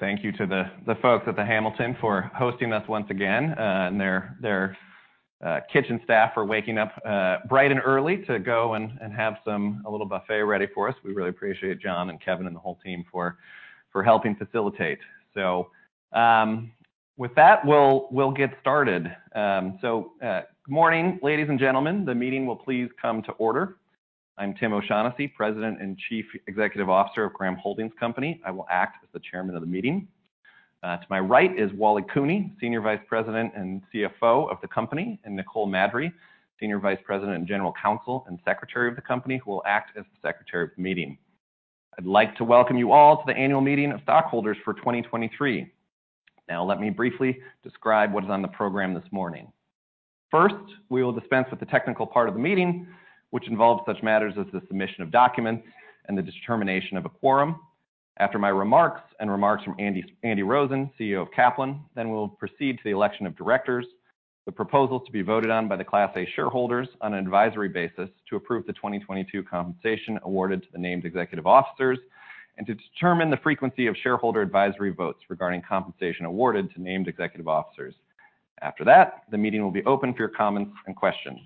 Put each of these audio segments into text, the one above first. Thank you to the folks at The Hamilton for hosting us once again. Their kitchen staff are waking up bright and early to go and have a little buffet ready for us. We really appreciate John and Kevin and the whole team for helping facilitate. With that, we'll get started. Good morning, ladies and gentlemen. The meeting will please come to order. I'm Tim O'Shaughnessy, President and Chief Executive Officer of Graham Holdings Company. I will act as the chairman of the meeting. To my right is Wally Cooney, Senior Vice President and CFO of the company, and Nicole Maddrey, Senior Vice President and General Counsel and Secretary of the company, who will act as the secretary of the meeting. I'd like to welcome you all to the Annual Meeting of Stockholders for 2023. Let me briefly describe what is on the program this morning. First, we will dispense with the technical part of the meeting, which involves such matters as the submission of documents and the determination of a quorum. After my remarks and remarks from Andy Rosen, CEO of Kaplan, we'll proceed to the election of directors, the proposals to be voted on by the Class A shareholders on an advisory basis to approve the 2022 compensation awarded to the named executive officers and to determine the frequency of shareholder advisory votes regarding compensation awarded to named executive officers. After that, the meeting will be open for your comments and questions.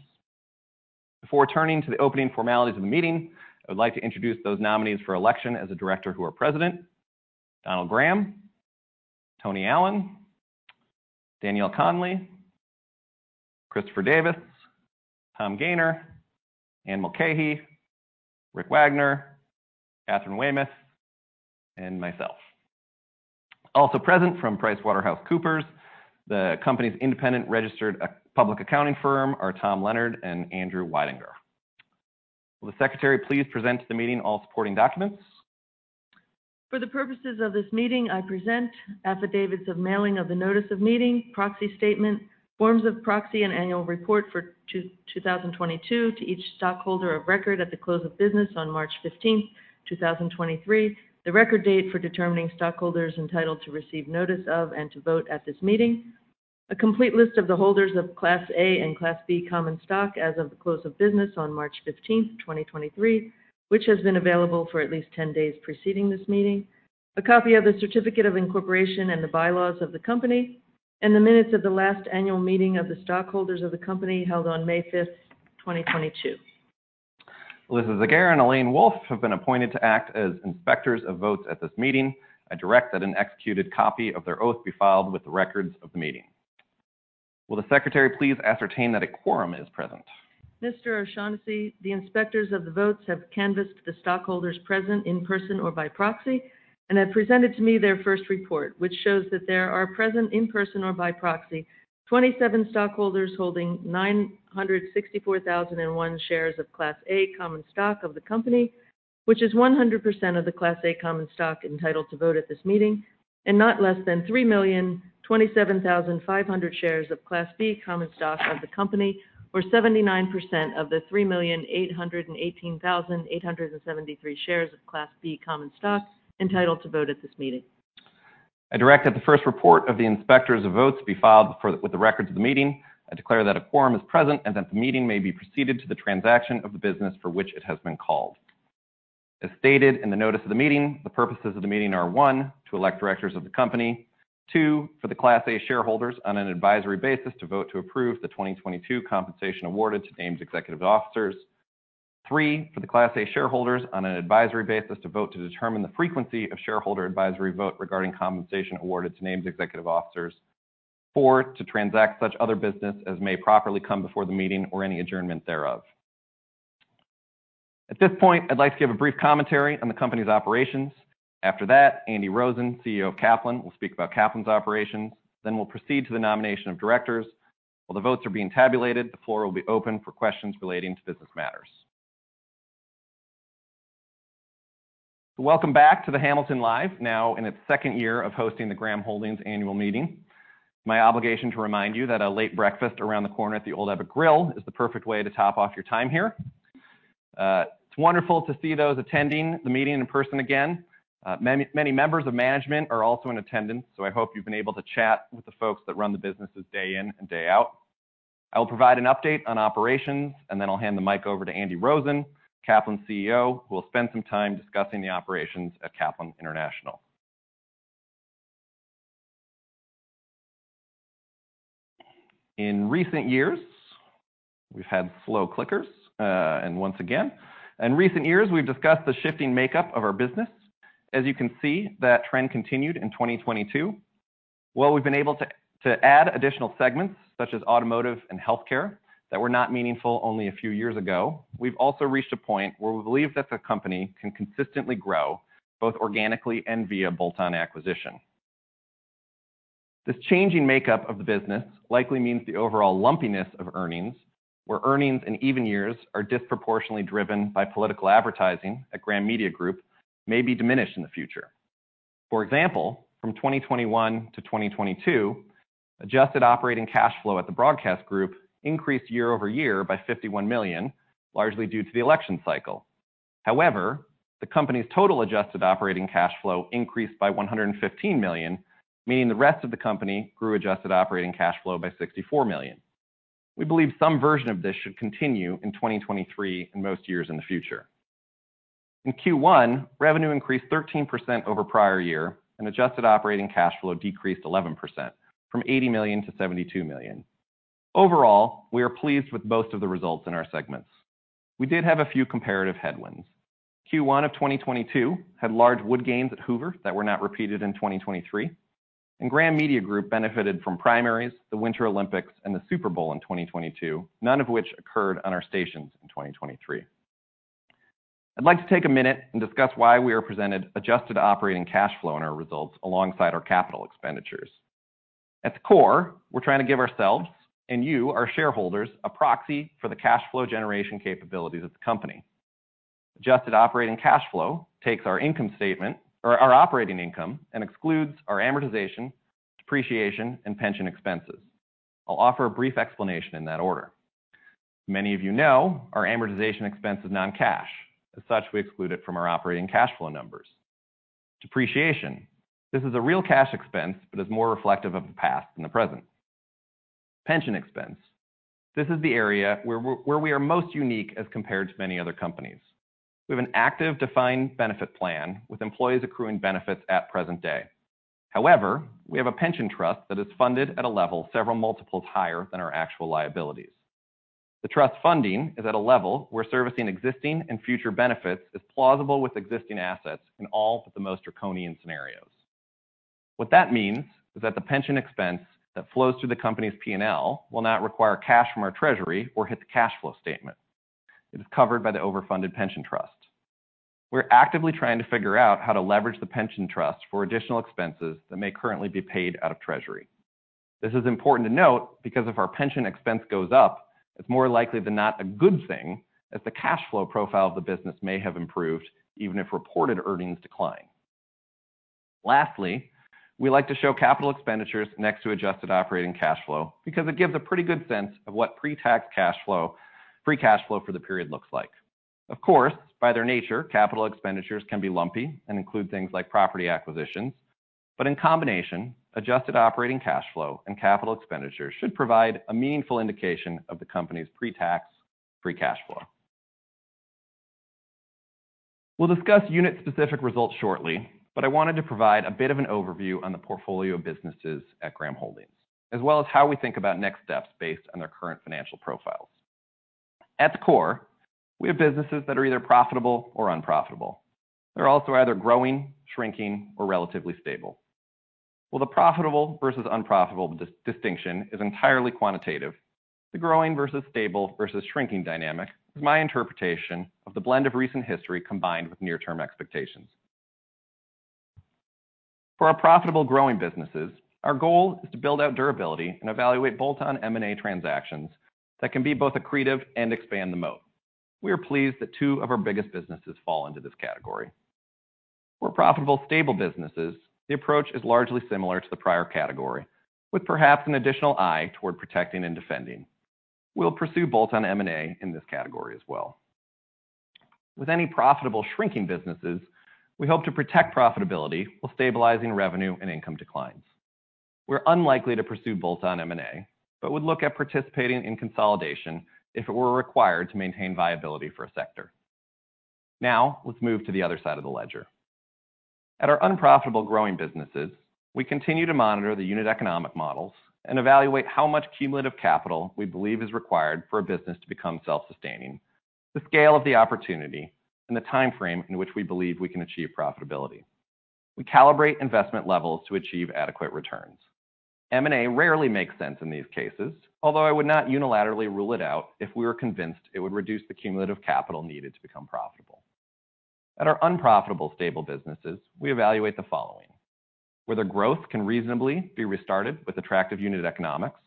Before turning to the opening formalities of the meeting, I would like to introduce those nominees for election as a director who are present: Donald E. Graham, Tony Allen, Danielle Conley, Christopher C. Davis, Thomas S. Gayner, Anne M. Mulcahy, G. Richard Wagoner Jr., Katharine Weymouth, and myself. Also present from PricewaterhouseCoopers, the company's independent registered public accounting firm, are Thomas Leonard and Andrew Weidinger. Will the secretary please present to the meeting all supporting documents? For the purposes of this meeting, I present affidavits of mailing of the notice of meeting, proxy statement, forms of proxy and annual report for 2022 to each stockholder of record at the close of business on March 15, 2023, the record date for determining stockholders entitled to receive notice of and to vote at this meeting. A complete list of the holders of Class A and Class B common stock as of the close of business on March 15, 2023, which has been available for at least 10 days preceding this meeting, a copy of the certificate of incorporation and the bylaws of the company, and the minutes of the last annual meeting of the stockholders of the company held on May 5, 2022. Alyssa Zagare and Elaine Wolfe have been appointed to act as inspectors of votes at this meeting. I direct that an executed copy of their oath be filed with the records of the meeting. Will the secretary please ascertain that a quorum is present? Mr. O'Shaughnessy, the inspectors of the votes have canvassed the stockholders present in person or by proxy and have presented to me their first report, which shows that there are present in person or by proxy 27 stockholders holding 964,001 shares of Class A common stock of the company, which is 100% of the Class A common stock entitled to vote at this meeting, and not less than 3,027,500 shares of Class B common stock of the company, or 79% of the 3,818,873 shares of Class B common stock entitled to vote at this meeting. I direct that the first report of the inspectors of votes be filed with the records of the meeting. I declare that a quorum is present and that the meeting may be proceeded to the transaction of the business for which it has been called. As stated in the notice of the meeting, the purposes of the meeting are, one, to elect directors of the company. Two, for the Class A shareholders on an advisory basis to vote to approve the 2022 compensation awarded to named executive officers. Three, for the Class A shareholders on an advisory basis to vote to determine the frequency of shareholder advisory vote regarding compensation awarded to named executive officers. Four, to transact such other business as may properly come before the meeting or any adjournment thereof. At this point, I'd like to give a brief commentary on the company's operations. After that, Andrew S. Rosen, CEO of Kaplan, Inc., will speak about Kaplan, Inc.'s operations. We'll proceed to the nomination of directors. While the votes are being tabulated, the floor will be open for questions relating to business matters. Welcome back to The Hamilton Live, now in its second year of hosting the Graham Holdings Company Annual Meeting. My obligation to remind you that a late breakfast around the corner at The Old Ebbitt Grill is the perfect way to top off your time here. It's wonderful to see those attending the meeting in person again. Many members of management are also in attendance, so I hope you've been able to chat with the folks that run the businesses day in and day out. I will provide an update on operations, and then I'll hand the mic over to Andrew S. Rosen, Kaplan's CEO, who will spend some time discussing the operations at Kaplan International. In recent years, we've discussed the shifting makeup of our business. As you can see, that trend continued in 2022. While we've been able to add additional segments such as automotive and healthcare that were not meaningful only a few years ago, we've also reached a point where we believe that the company can consistently grow both organically and via bolt-on acquisition. This changing makeup of the business likely means the overall lumpiness of earnings, where earnings in even years are disproportionately driven by political advertising at Graham Media Group may be diminished in the future. For example, from 2021 to 2022, adjusted operating cash flow at the Broadcast Group increased year-over-year by $51 million, largely due to the election cycle. However, the company's total adjusted operating cash flow increased by $115 million, meaning the rest of the company grew adjusted operating cash flow by $64 million. We believe some version of this should continue in 2023 and most years in the future. In Q1, revenue increased 13% over prior year and adjusted operating cash flow decreased 11% from $80 million to $72 million. Overall, we are pleased with most of the results in our segments. We did have a few comparative headwinds. Q1 of 2022 had large wood gains at Hoover that were not repeated in 2023, and Graham Media Group benefited from primaries, the Winter Olympics and the Super Bowl in 2022, none of which occurred on our stations in 2023. I'd like to take a minute and discuss why we are presented adjusted operating cash flow in our results alongside our capital expenditures. At the core, we're trying to give ourselves, and you, our shareholders, a proxy for the cash flow generation capabilities of the company. Adjusted operating cash flow takes our income statement or our operating income and excludes our amortization, depreciation, and pension expenses. I'll offer a brief explanation in that order. Many of you know our amortization expense is non-cash. As such, we exclude it from our operating cash flow numbers. Depreciation. This is a real cash expense is more reflective of the past than the present. Pension expense. This is the area where we are most unique as compared to many other companies. We have an active defined benefit plan with employees accruing benefits at present day. We have a pension trust that is funded at a level several multiples higher than our actual liabilities. The trust funding is at a level where servicing existing and future benefits is plausible with existing assets in all but the most draconian scenarios. What that means is that the pension expense that flows through the company's P&L will not require cash from our treasury or hit the cash flow statement. It is covered by the overfunded pension trust. We're actively trying to figure out how to leverage the pension trust for additional expenses that may currently be paid out of treasury. This is important to note because if our pension expense goes up, it's more likely than not a good thing as the cash flow profile of the business may have improved even if reported earnings decline. Lastly, we like to show capital expenditures next to adjusted operating cash flow because it gives a pretty good sense of what pre-tax cash flow, free cash flow for the period looks like. Of course, by their nature, capital expenditures can be lumpy and include things like property acquisitions, but in combination, adjusted operating cash flow and capital expenditures should provide a meaningful indication of the company's pre-tax free cash flow. We'll discuss unit-specific results shortly, but I wanted to provide a bit of an overview on the portfolio of businesses at Graham Holdings Company, as well as how we think about next steps based on their current financial profiles. At the core, we have businesses that are either profitable or unprofitable. They're also either growing, shrinking, or relatively stable. While the profitable versus unprofitable distinction is entirely quantitative, the growing versus stable versus shrinking dynamic is my interpretation of the blend of recent history combined with near-term expectations. For our profitable growing businesses, our goal is to build out durability and evaluate bolt-on M&A transactions that can be both accretive and expand the moat. We are pleased that two of our biggest businesses fall into this category. For profitable, stable businesses, the approach is largely similar to the prior category, with perhaps an additional eye toward protecting and defending. We'll pursue bolt-on M&A in this category as well. With any profitable shrinking businesses, we hope to protect profitability while stabilizing revenue and income declines. We're unlikely to pursue bolt-on M&A, but would look at participating in consolidation if it were required to maintain viability for a sector. Now let's move to the other side of the ledger. At our unprofitable growing businesses, we continue to monitor the unit economic models and evaluate how much cumulative capital we believe is required for a business to become self-sustaining, the scale of the opportunity, and the timeframe in which we believe we can achieve profitability. We calibrate investment levels to achieve adequate returns. M&A rarely makes sense in these cases, although I would not unilaterally rule it out if we were convinced it would reduce the cumulative capital needed to become profitable. At our unprofitable, stable businesses, we evaluate the following: whether growth can reasonably be restarted with attractive unit economics,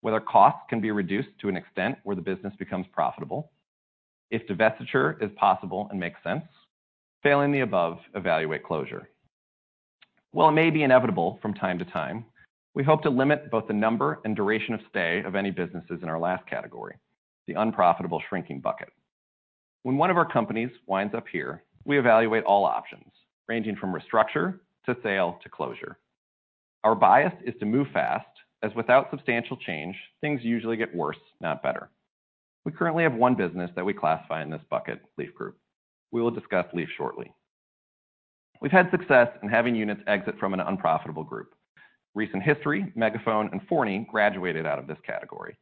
whether costs can be reduced to an extent where the business becomes profitable, if divestiture is possible and makes sense, failing the above, evaluate closure. While it may be inevitable from time to time, we hope to limit both the number and duration of stay of any businesses in our last category, the unprofitable shrinking bucket. When one of our companies winds up here, we evaluate all options ranging from restructure to sale to closure. Our bias is to move fast as without substantial change, things usually get worse, not better. We currently have one business that we classify in this bucket, Leaf Group. We will discuss Leaf shortly. We've had success in having units exit from an unprofitable group. Recent History, Megaphone, and Forney graduated out of this category.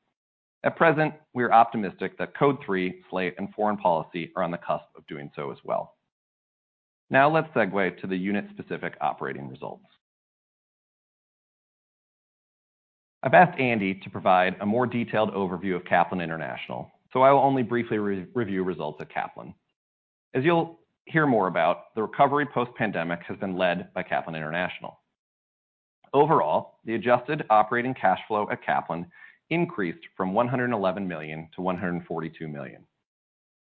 At present, we are optimistic that Code3, Slate, and Foreign Policy are on the cusp of doing so as well. Let's segue to the unit-specific operating results. I've asked Andy to provide a more detailed overview of Kaplan International, I will only briefly re-review results at Kaplan. As you'll hear more about, the recovery post-pandemic has been led by Kaplan International. Overall, the adjusted operating cash flow at Kaplan increased from $111 million to $142 million.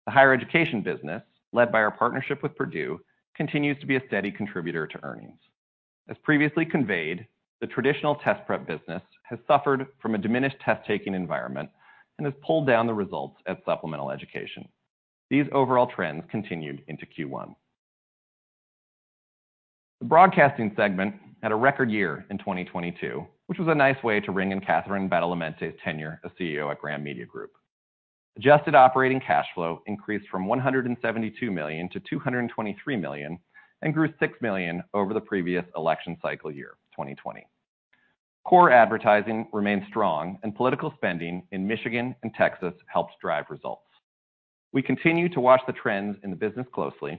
The higher education business, led by our partnership with Purdue, continues to be a steady contributor to earnings. As previously conveyed, the traditional test prep business has suffered from a diminished test-taking environment and has pulled down the results at supplemental education. These overall trends continued into Q1. The broadcasting segment had a record year in 2022, which was a nice way to ring in Catherine Badalamente's tenure as CEO at Graham Media Group. Adjusted operating cash flow increased from $172 million to $223 million and grew $6 million over the previous election cycle year, 2020. Core advertising remained strong, and political spending in Michigan and Texas helped drive results. We continue to watch the trends in the business closely and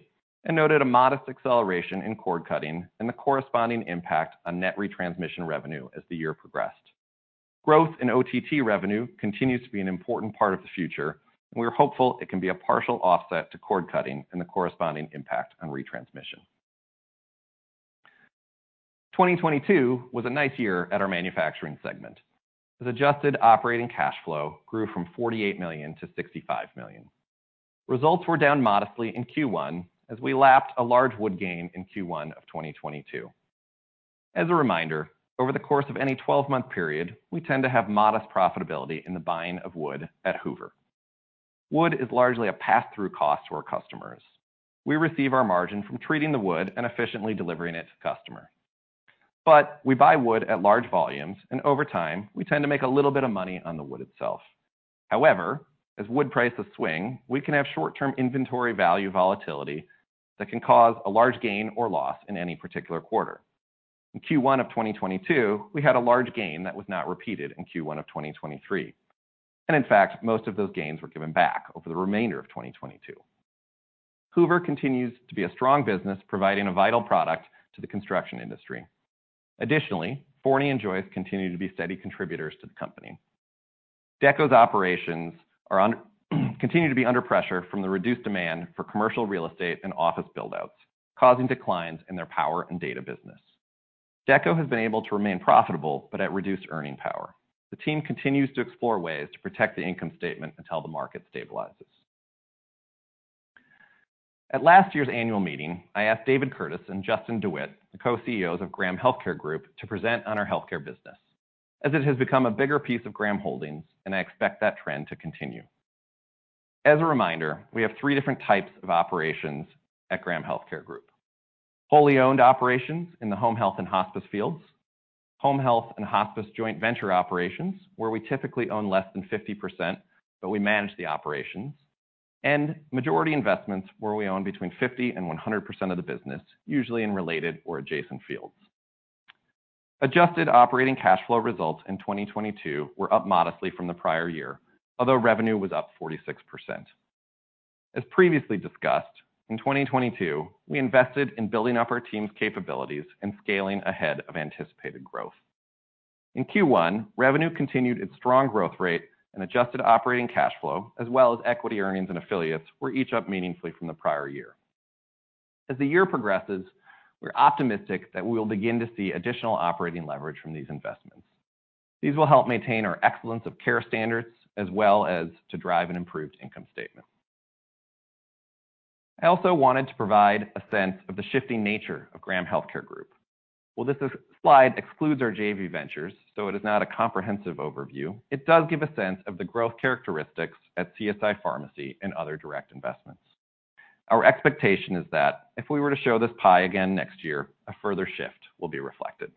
noted a modest acceleration in cord-cutting and the corresponding impact on net retransmission revenue as the year progressed. Growth in OTT revenue continues to be an important part of the future, and we are hopeful it can be a partial offset to cord-cutting and the corresponding impact on retransmission. 2022 was a nice year at our manufacturing segment, as adjusted operating cash flow grew from $48 million to $65 million. Results were down modestly in Q1 as we lapped a large wood gain in Q1 of 2022. As a reminder, over the course of any 12-month period, we tend to have modest profitability in the buying of wood at Hoover. Wood is largely a pass-through cost to our customers. We receive our margin from treating the wood and efficiently delivering it to the customer. We buy wood at large volumes, and over time, we tend to make a little bit of money on the wood itself. However, as wood prices swing, we can have short-term inventory value volatility that can cause a large gain or loss in any particular quarter. In Q1 of 2022, we had a large gain that was not repeated in Q1 of 2023. In fact, most of those gains were given back over the remainder of 2022. Hoover continues to be a strong business providing a vital product to the construction industry. Additionally, Forney and Joyce continue to be steady contributors to the company. Dekko's operations continue to be under pressure from the reduced demand for commercial real estate and office build-outs, causing declines in their power and data business. Dekko has been able to remain profitable but at reduced earning power. The team continues to explore ways to protect the income statement until the market stabilizes. At last year's annual meeting, I asked David Curtis and Justin DeWitte, the co-CEOs of Graham Healthcare Group, to present on our healthcare business, as it has become a bigger piece of Graham Holdings, I expect that trend to continue. As a reminder, we have three different types of operations at Graham Healthcare Group. Wholly owned operations in the home health and hospice fields. Home health and hospice joint venture operations, where we typically own less than 50%, we manage the operations. Majority investments where we own between 50% and 100% of the business, usually in related or adjacent fields. Adjusted operating cash flow results in 2022 were up modestly from the prior year, although revenue was up 46%. As previously discussed, in 2022, we invested in building up our team's capabilities and scaling ahead of anticipated growth. In Q1, revenue continued its strong growth rate and adjusted operating cash flow, as well as equity earnings and affiliates, were each up meaningfully from the prior year. As the year progresses, we're optimistic that we will begin to see additional operating leverage from these investments. These will help maintain our excellence of care standards as well as to drive an improved income statement. I also wanted to provide a sense of the shifting nature of Graham Healthcare Group. While this slide excludes our JV ventures, so it is not a comprehensive overview, it does give a sense of the growth characteristics at CSI Pharmacy and other direct investments. Our expectation is that if we were to show this pie again next year, a further shift will be reflected.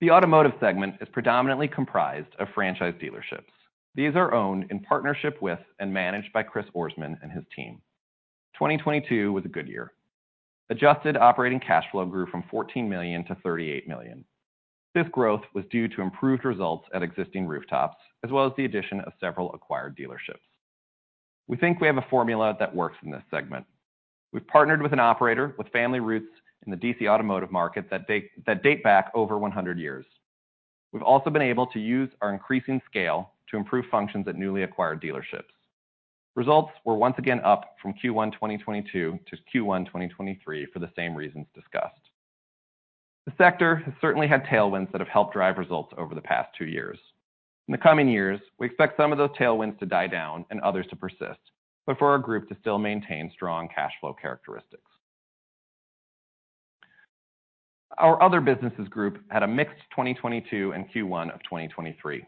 The automotive segment is predominantly comprised of franchise dealerships. These are owned in partnership with and managed by Christopher J. Ourisman and his team. 2022 was a good year. Adjusted operating cash flow grew from $14 million to $38 million. This growth was due to improved results at existing rooftops, as well as the addition of several acquired dealerships. We think we have a formula that works in this segment. We've partnered with an operator with family roots in the D.C. automotive market that date back over 100 years. We've also been able to use our increasing scale to improve functions at newly acquired dealerships. Results were once again up from Q1 2022 to Q1 2023 for the same reasons discussed. The sector has certainly had tailwinds that have helped drive results over the past two years. In the coming years, we expect some of those tailwinds to die down and others to persist, for our group to still maintain strong cash flow characteristics. Our other businesses group had a mixed 2022 and Q1 of 2023.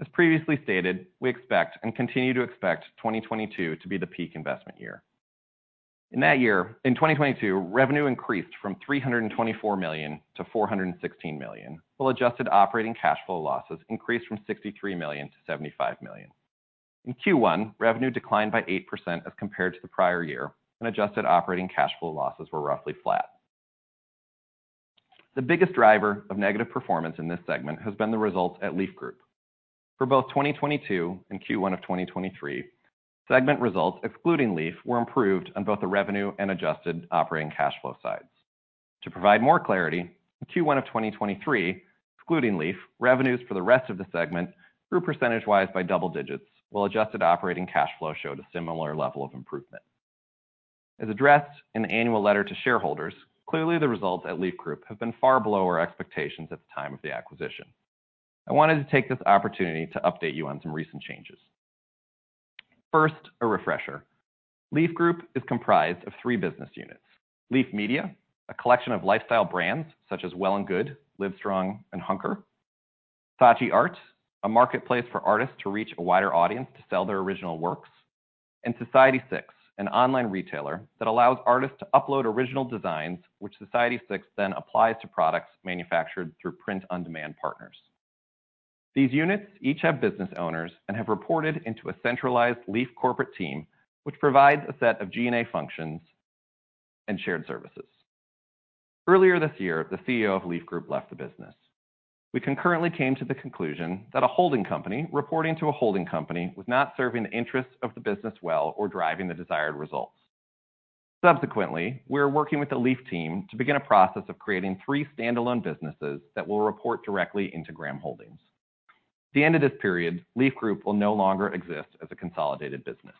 As previously stated, we expect and continue to expect 2022 to be the peak investment year. In that year, in 2022, revenue increased from $324 million to $416 million, while adjusted operating cash flow losses increased from $63 million to $75 million. In Q1, revenue declined by 8% as compared to the prior year, and adjusted operating cash flow losses were roughly flat. The biggest driver of negative performance in this segment has been the results at Leaf Group. For both 2022 and Q1 of 2023, segment results excluding Leaf were improved on both the revenue and adjusted operating cash flow sides. To provide more clarity, in Q1 of 2023, excluding Leaf, revenues for the rest of the segment grew percentage-wise by double digits, while adjusted operating cash flow showed a similar level of improvement. As addressed in the annual letter to shareholders, clearly the results at Leaf Group have been far below our expectations at the time of the acquisition. I wanted to take this opportunity to update you on some recent changes. First, a refresher. Leaf Group is comprised of three business units: Leaf Media, a collection of lifestyle brands such as Well+Good, Livestrong, and Hunker Saatchi Art, a marketplace for artists to reach a wider audience to sell their original works. Society6, an online retailer that allows artists to upload original designs, which Society6 then applies to products manufactured through print-on-demand partners. These units each have business owners and have reported into a centralized Leaf corporate team, which provides a set of G&A functions and shared services. Earlier this year, the CEO of Leaf Group left the business. We concurrently came to the conclusion that a holding company reporting to a holding company was not serving the interests of the business well or driving the desired results. We are working with the Leaf team to begin a process of creating three standalone businesses that will report directly into Graham Holdings. At the end of this period, Leaf Group will no longer exist as a consolidated business.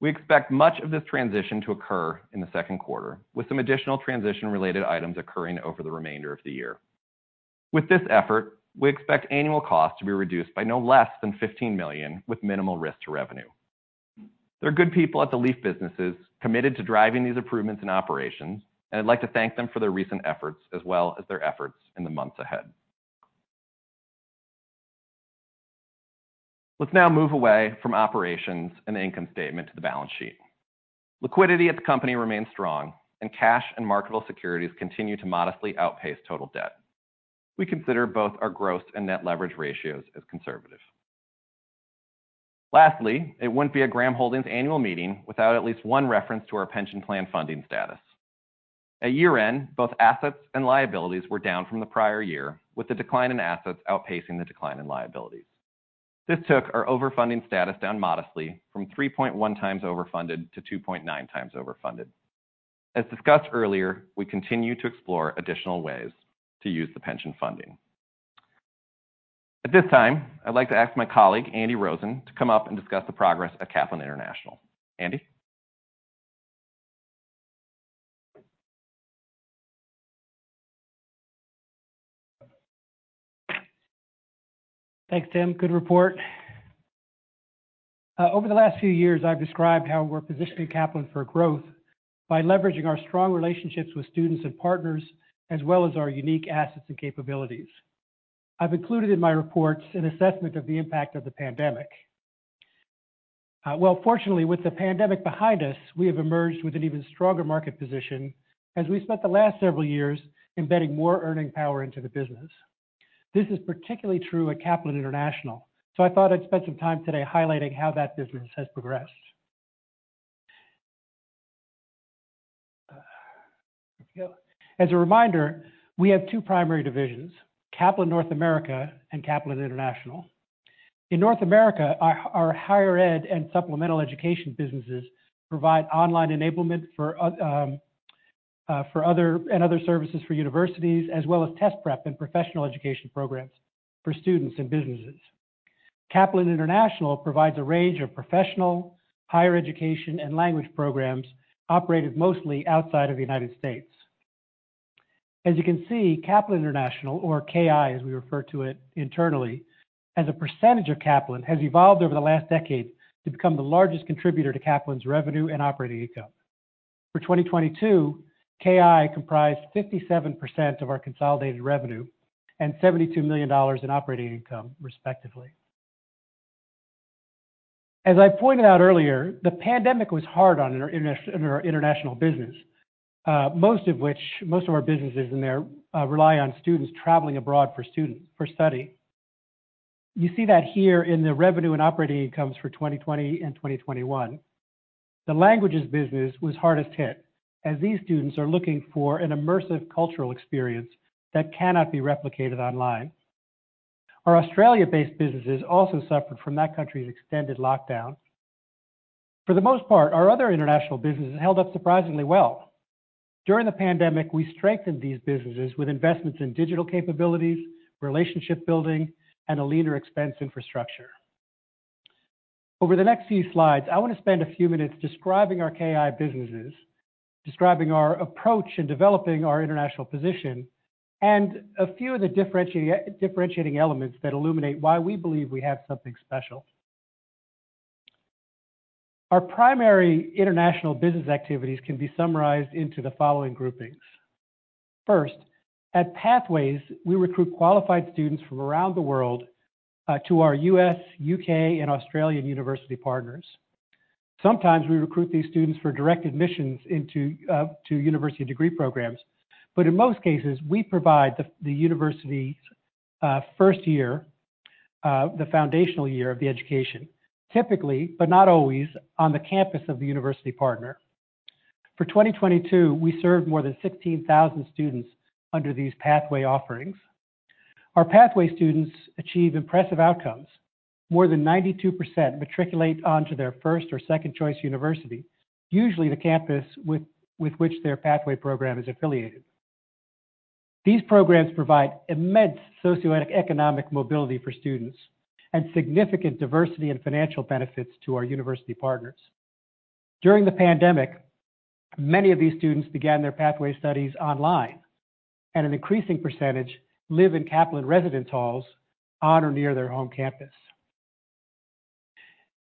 We expect much of this transition to occur in the second quarter, with some additional transition-related items occurring over the remainder of the year. With this effort, we expect annual costs to be reduced by no less than $15 million, with minimal risk to revenue. There are good people at the Leaf businesses committed to driving these improvements in operations, and I'd like to thank them for their recent efforts as well as their efforts in the months ahead. Let's now move away from operations and the income statement to the balance sheet. Liquidity at the company remains strong, and cash and marketable securities continue to modestly outpace total debt. We consider both our gross and net leverage ratios as conservative. Lastly, it wouldn't be a Graham Holdings annual meeting without at least one reference to our pension plan funding status. At year-end, both assets and liabilities were down from the prior year, with the decline in assets outpacing the decline in liabilities. This took our overfunding status down modestly from 3.1x overfunded to 2.9x overfunded. As discussed earlier, we continue to explore additional ways to use the pension funding. At this time, I'd like to ask my colleague, Andy Rosen, to come up and discuss the progress at Kaplan International. Andy. Thanks, Tim. Good report. Over the last few years, I've described how we're positioning Kaplan for growth by leveraging our strong relationships with students and partners, as well as our unique assets and capabilities. I've included in my reports an assessment of the impact of the pandemic. Well, fortunately, with the pandemic behind us, we have emerged with an even stronger market position as we spent the last several years embedding more earning power into the business. This is particularly true at Kaplan International. I thought I'd spend some time today highlighting how that business has progressed. As a reminder, we have two primary divisions, Kaplan North America and Kaplan International. In North America, our higher ed and supplemental education businesses provide online enablement and other services for universities, as well as test prep and professional education programs for students and businesses. Kaplan International provides a range of professional, higher education, and language programs operated mostly outside of the United States. As you can see, Kaplan International, or KI, as we refer to it internally, as a percentage of Kaplan, has evolved over the last decade to become the largest contributor to Kaplan's revenue and operating income. For 2022, KI comprised 57% of our consolidated revenue and $72 million in operating income, respectively. As I pointed out earlier, the pandemic was hard on our international business, most of our businesses in there rely on students traveling abroad for study. You see that here in the revenue and operating incomes for 2020 and 2021. The languages business was hardest hit, as these students are looking for an immersive cultural experience that cannot be replicated online. Our Australia-based businesses also suffered from that country's extended lockdown. For the most part, our other international businesses held up surprisingly well. During the pandemic, we strengthened these businesses with investments in digital capabilities, relationship building, and a leaner expense infrastructure. Over the next few slides, I wanna spend a few minutes describing our KI businesses, describing our approach in developing our international position, and a few of the differentiating elements that illuminate why we believe we have something special. Our primary international business activities can be summarized into the following groupings. First, at Pathways, we recruit qualified students from around the world to our US, UK, and Australian university partners. Sometimes we recruit these students for direct admissions into to university degree programs. In most cases, we provide the university's first year, the foundational year of the education, typically, but not always, on the campus of the university partner. For 2022, we served more than 16,000 students under these pathway offerings. Our pathway students achieve impressive outcomes. More than 92% matriculate onto their first or second choice university, usually the campus with which their pathway program is affiliated. These programs provide immense socioeconomic mobility for students and significant diversity and financial benefits to our university partners. During the pandemic, many of these students began their pathway studies online, and an increasing percentage live in Kaplan residence halls on or near their home campus.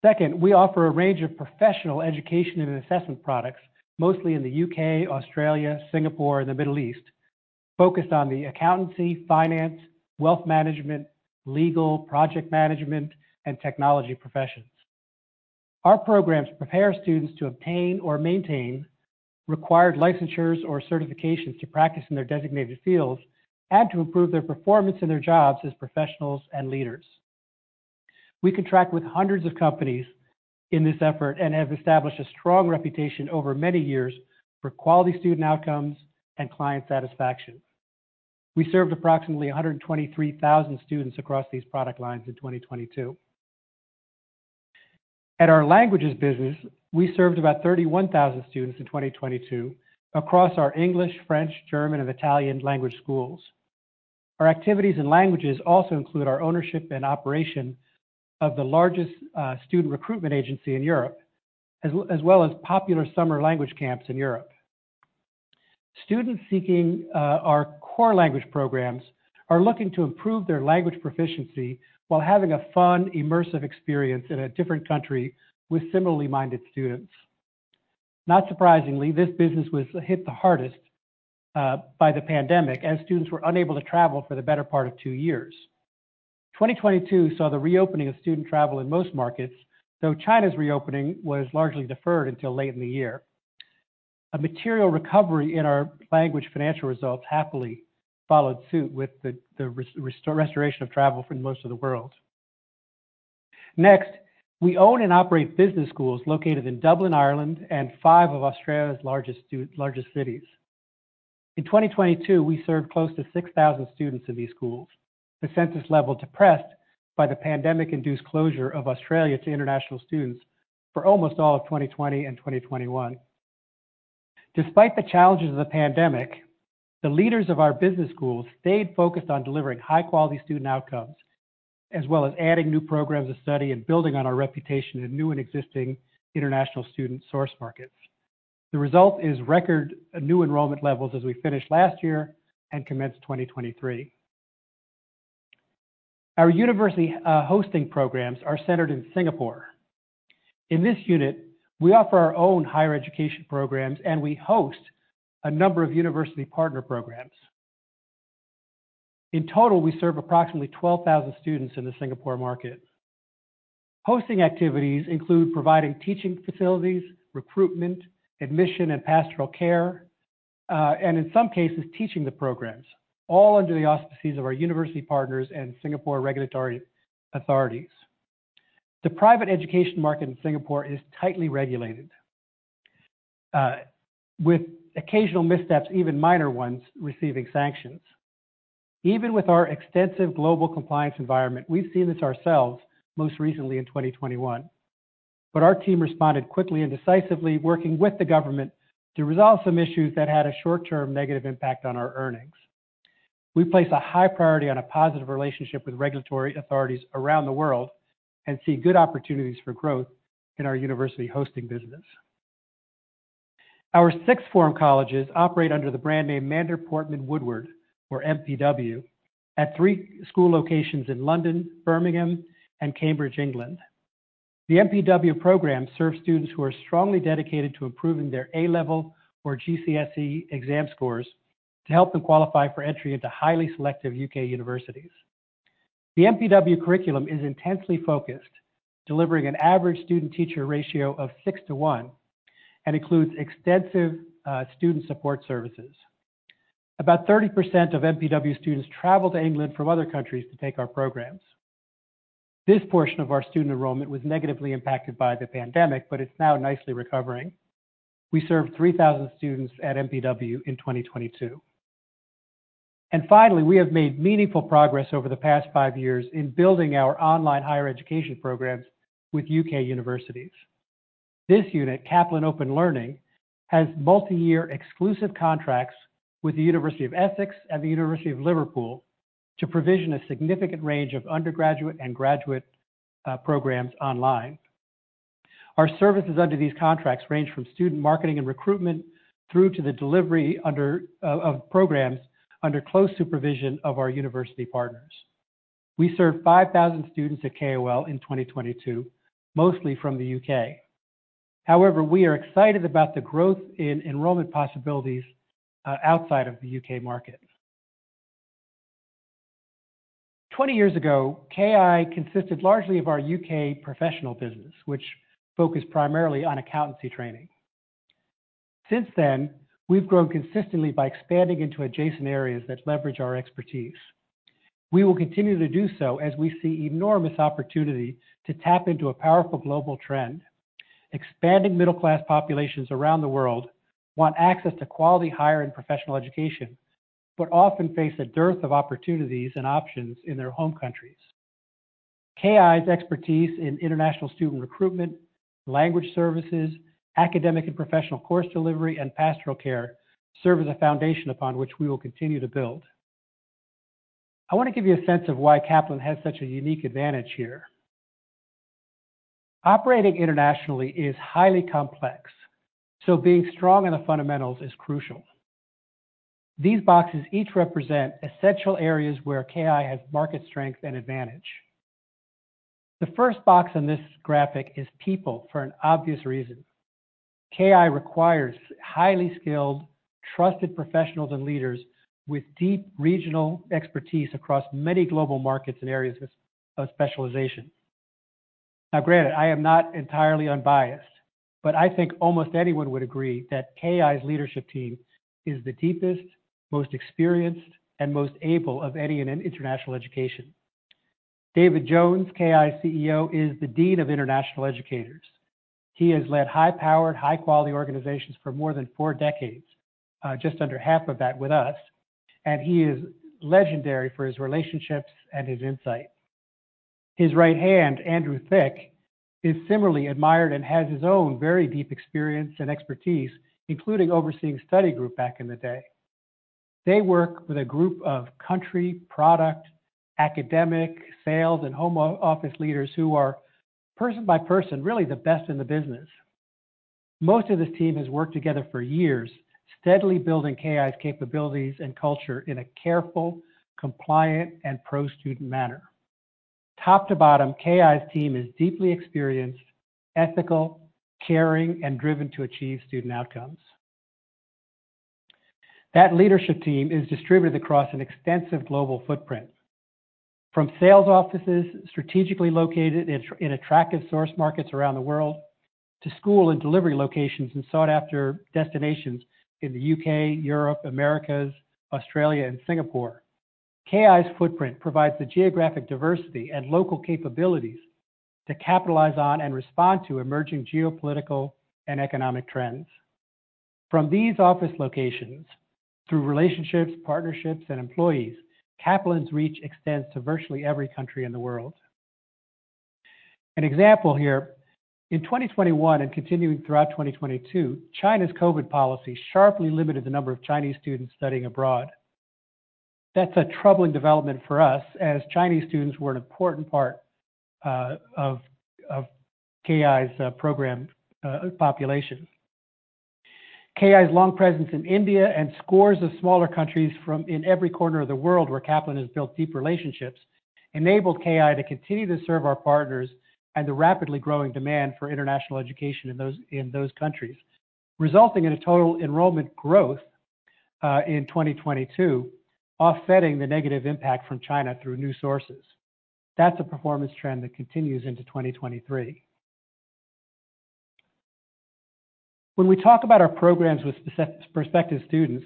Second, we offer a range of professional education and assessment products, mostly in the UK, Australia, Singapore, and the Middle East, focused on the accountancy, finance, wealth management, legal, project management, and technology professions. Our programs prepare students to obtain or maintain required licensures or certifications to practice in their designated fields and to improve their performance in their jobs as professionals and leaders. We contract with hundreds of companies in this effort and have established a strong reputation over many years for quality student outcomes and client satisfaction. We served approximately 123,000 students across these product lines in 2022. At our languages business, we served about 31,000 students in 2022 across our English, French, German, and Italian language schools. Our activities and languages also include our ownership and operation of the largest student recruitment agency in Europe, as well as popular summer language camps in Europe. Students seeking our core language programs are looking to improve their language proficiency while having a fun, immersive experience in a different country with similarly minded students. Not surprisingly, this business was hit the hardest by the pandemic as students were unable to travel for the better part of two years. 2022 saw the reopening of student travel in most markets, though China's reopening was largely deferred until late in the year. A material recovery in our language financial results happily followed suit with the restoration of travel for most of the world. Next, we own and operate business schools located in Dublin, Ireland, and five of Australia's largest cities. In 2022, we served close to 6,000 students in these schools. Enrollment levels were depressed by the pandemic-induced closure of Australia to international students for almost all of 2020 and 2021. Despite the challenges of the pandemic, the leaders of our business schools stayed focused on delivering high-quality student outcomes as well as adding new programs of study and building on our reputation in new and existing international student source markets. The result is record new enrollment levels as we finished last year and commenced 2023. Our university hosting programs are centered in Singapore. In this unit, we offer our own higher education programs, and we host a number of university partner programs. In total, we serve approximately 12,000 students in the Singapore market. Hosting activities include providing teaching facilities, recruitment, admission, and pastoral care, and in some cases, teaching the programs, all under the auspices of our university partners and Singapore regulatory authorities. The private education market in Singapore is tightly regulated, with occasional missteps, even minor ones, receiving sanctions. Even with our extensive global compliance environment, we've seen this ourselves, most recently in 2021. Our team responded quickly and decisively, working with the government to resolve some issues that had a short-term negative impact on our earnings. We place a high priority on a positive relationship with regulatory authorities around the world and see good opportunities for growth in our university hosting business. Our sixth form colleges operate under the brand name Mander Portman Woodward, or MPW, at three school locations in London, Birmingham, and Cambridge, England. The MPW program serves students who are strongly dedicated to improving their A-level or GCSE exam scores to help them qualify for entry into highly selective UK universities. The MPW curriculum is intensely focused, delivering an average student-teacher ratio of 6:1 and includes extensive student support services. About 30% of MPW students travel to England from other countries to take our programs. This portion of our student enrollment was negatively impacted by the pandemic, but it's now nicely recovering. We served 3,000 students at MPW in 2022. Finally, we have made meaningful progress over the past five years in building our online higher education programs with UK universities. This unit, Kaplan Open Learning, has multi-year exclusive contracts with the University of Essex and the University of Liverpool to provision a significant range of undergraduate and graduate programs online. Our services under these contracts range from student marketing and recruitment through to the delivery of programs under close supervision of our university partners. We served 5,000 students at KOL in 2022, mostly from the UK We are excited about the growth in enrollment possibilities outside of the UK market. 20 years ago, KI consisted largely of our UK professional business, which focused primarily on accountancy training. Since then, we've grown consistently by expanding into adjacent areas that leverage our expertise. We will continue to do so as we see enormous opportunity to tap into a powerful global trend. Expanding middle-class populations around the world want access to quality higher and professional education, but often face a dearth of opportunities and options in their home countries. KI's expertise in international student recruitment, language services, academic and professional course delivery, and pastoral care serve as a foundation upon which we will continue to build. I want to give you a sense of why Kaplan has such a unique advantage here. Operating internationally is highly complex, so being strong in the fundamentals is crucial. These boxes each represent essential areas where KI has market strength and advantage. The first box on this graphic is people for an obvious reason. KI requires highly skilled, trusted professionals and leaders with deep regional expertise across many global markets and areas of specialization. Now, granted, I am not entirely unbiased, but I think almost anyone would agree that KI's leadership team is the deepest, most experienced, and most able of any in international education. David Jones, KI CEO, is the dean of international educators. He has led high-powered, high-quality organizations for more than four decades, just under half of that with us. He is legendary for his relationships and his insight. His right hand, Andrew, is similarly admired and has his own very deep experience and expertise, including overseeing Study Group back in the day. They work with a group of country, product, academic, sales, and home office leaders who are, person by person, really the best in the business. Most of this team has worked together for years, steadily building KI's capabilities and culture in a careful, compliant, and pro-student manner. Top to bottom, KI's team is deeply experienced, ethical, caring, and driven to achieve student outcomes. That leadership team is distributed across an extensive global footprint. From sales offices strategically located in attractive source markets around the world to school and delivery locations in sought-after destinations in the UK, Europe, Americas, Australia, and Singapore. KI's footprint provides the geographic diversity and local capabilities to capitalize on and respond to emerging geopolitical and economic trends. From these office locations, through relationships, partnerships, and employees, Kaplan's reach extends to virtually every country in the world. An example here, in 2021 and continuing throughout 2022, China's COVID policy sharply limited the number of Chinese students studying abroad. That's a troubling development for us as Chinese students were an important part of KI's program population. KI's long presence in India and scores of smaller countries in every corner of the world where Kaplan has built deep relationships enabled KI to continue to serve our partners and the rapidly growing demand for international education in those countries, resulting in a total enrollment growth in 2022, offsetting the negative impact from China through new sources. That's a performance trend that continues into 2023. When we talk about our programs with prospective students,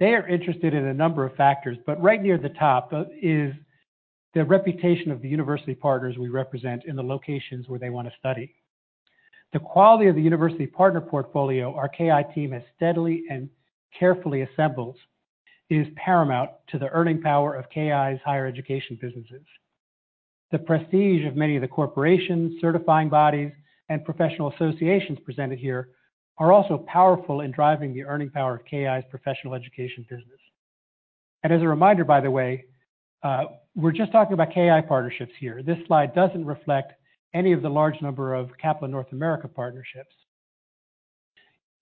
they are interested in a number of factors, but right near the top is the reputation of the university partners we represent in the locations where they wanna study. The quality of the university partner portfolio our KI team has steadily and carefully assembled is paramount to the earning power of KI's higher education businesses. The prestige of many of the corporations, certifying bodies, and professional associations presented here are also powerful in driving the earning power of KI's professional education business. As a reminder, by the way, we're just talking about KI partnerships here. This slide doesn't reflect any of the large number of Kaplan North America partnerships.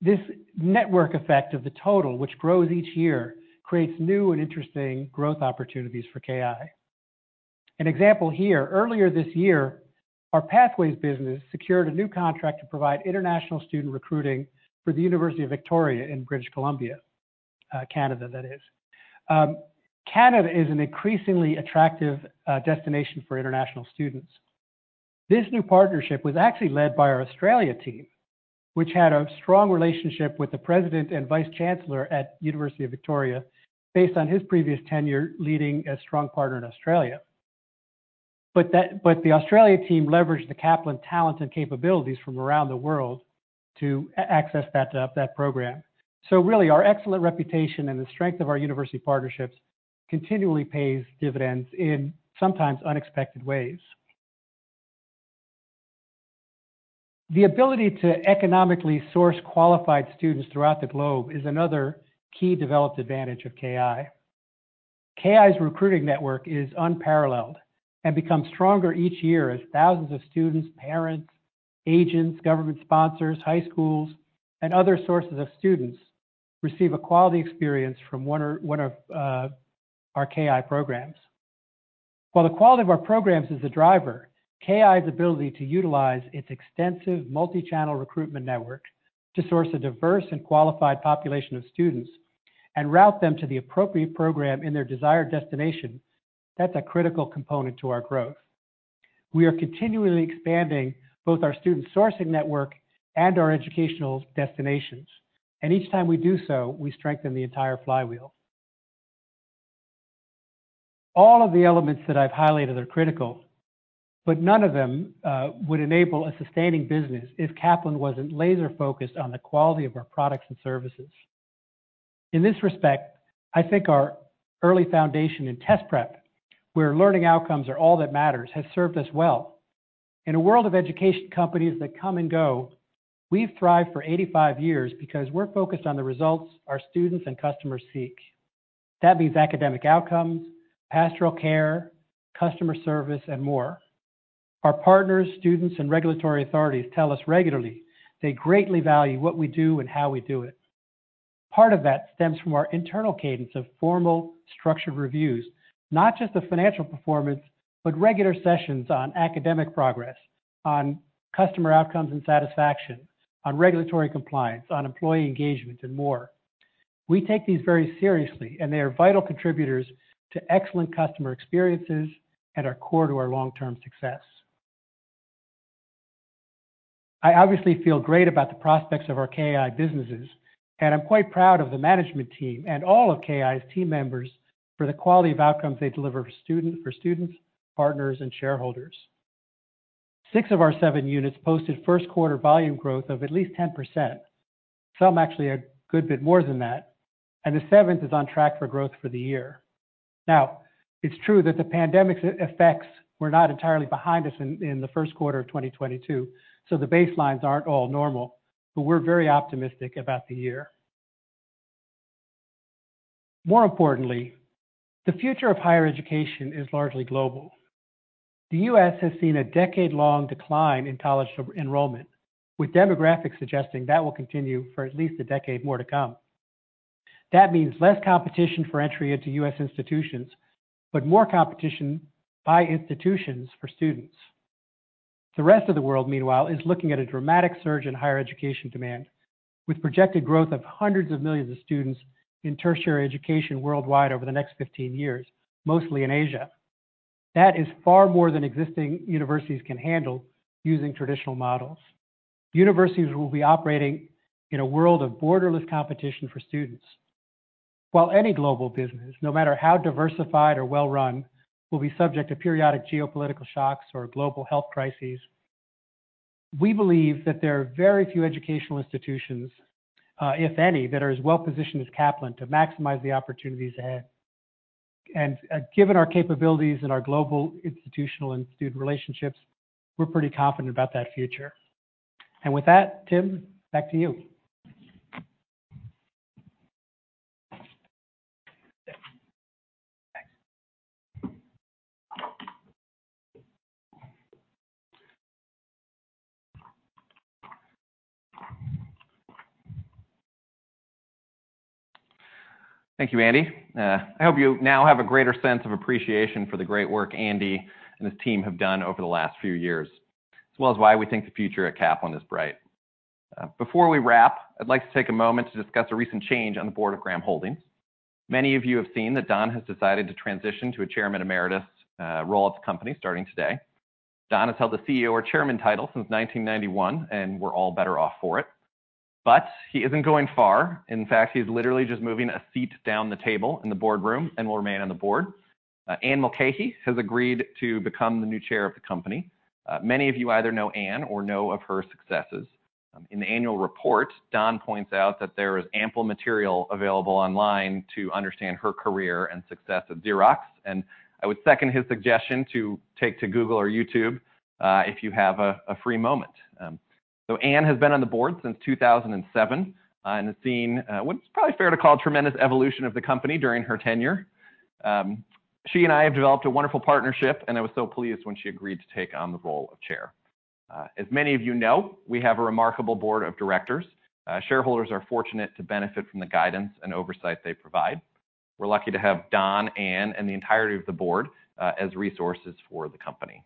This network effect of the total, which grows each year, creates new and interesting growth opportunities for KI. An example here, earlier this year, our Pathways business secured a new contract to provide international student recruiting for the University of Victoria in British Columbia, Canada, that is. Canada is an increasingly attractive destination for international students. This new partnership was actually led by our Australia team, which had a strong relationship with the president and vice chancellor at University of Victoria based on his previous tenure leading a strong partner in Australia. The Australia team leveraged the Kaplan talent and capabilities from around the world to access that program. Really, our excellent reputation and the strength of our university partnerships continually pays dividends in sometimes unexpected ways. The ability to economically source qualified students throughout the globe is another key developed advantage of KI. KI's recruiting network is unparalleled and becomes stronger each year as thousands of students, parents, agents, government sponsors, high schools, and other sources of students receive a quality experience from one or one of our KI programs. While the quality of our programs is a driver, KI's ability to utilize its extensive multi-channel recruitment network to source a diverse and qualified population of students and route them to the appropriate program in their desired destination, that's a critical component to our growth. Each time we do so, we strengthen the entire flywheel. All of the elements that I've highlighted are critical, none of them would enable a sustaining business if Kaplan wasn't laser-focused on the quality of our products and services. In this respect, I think our early foundation in test prep, where learning outcomes are all that matters, has served us well. In a world of education companies that come and go, we've thrived for 85 years because we're focused on the results our students and customers seek. That means academic outcomes, pastoral care, customer service, and more. Our partners, students, and regulatory authorities tell us regularly they greatly value what we do and how we do it. Part of that stems from our internal cadence of formal structured reviews, not just the financial performance, but regular sessions on academic progress, on customer outcomes and satisfaction, on regulatory compliance, on employee engagement, and more. We take these very seriously, they are vital contributors to excellent customer experiences and are core to our long-term success. I obviously feel great about the prospects of our KI businesses, I'm quite proud of the management team and all of KI's team members for the quality of outcomes they deliver for students, partners, and shareholders. Six of our seven units posted first quarter volume growth of at least 10%. Some actually a good bit more than that. The seventh is on track for growth for the year. It's true that the pandemic's effects were not entirely behind us in the first quarter of 2022, so the baselines aren't all normal, but we're very optimistic about the year. More importantly, the future of higher education is largely global. The US has seen a decade-long decline in college enrollment, with demographics suggesting that will continue for at least a decade more to come. That means less competition for entry into US institutions, but more competition by institutions for students. The rest of the world, meanwhile, is looking at a dramatic surge in higher education demand, with projected growth of hundreds of millions of students in tertiary education worldwide over the next 15 years, mostly in Asia. That is far more than existing universities can handle using traditional models. Universities will be operating in a world of borderless competition for students. While any global business, no matter how diversified or well-run, will be subject to periodic geopolitical shocks or global health crises. We believe that there are very few educational institutions, if any, that are as well-positioned as Kaplan to maximize the opportunities ahead. Given our capabilities and our global institutional and student relationships, we're pretty confident about that future. With that, Tim, back to you. Thanks. Thank you, Andy. I hope you now have a greater sense of appreciation for the great work Andy and his team have done over the last few years, as well as why we think the future at Kaplan is bright. Before we wrap, I'd like to take a moment to discuss a recent change on the board of Graham Holdings Company. Many of you have seen that Don has decided to transition to a Chairman Emeritus role at the company starting today. Don has held the CEO or Chairman title since 1991, and we're all better off for it. He isn't going far. In fact, he's literally just moving a seat down the table in the boardroom and will remain on the board. Anne Mulcahy has agreed to become the new Chair of the company. Many of you either know Anne or know of her successes. In the annual report, Don points out that there is ample material available online to understand her career and success at Xerox, and I would second his suggestion to take to Google or YouTube, if you have a free moment. Anne has been on the board since 2007 and has seen what's probably fair to call tremendous evolution of the company during her tenure. She and I have developed a wonderful partnership, and I was so pleased when she agreed to take on the role of chair. As many of you know, we have a remarkable board of directors. Shareholders are fortunate to benefit from the guidance and oversight they provide. We're lucky to have Don, Anne, and the entirety of the board as resources for the company.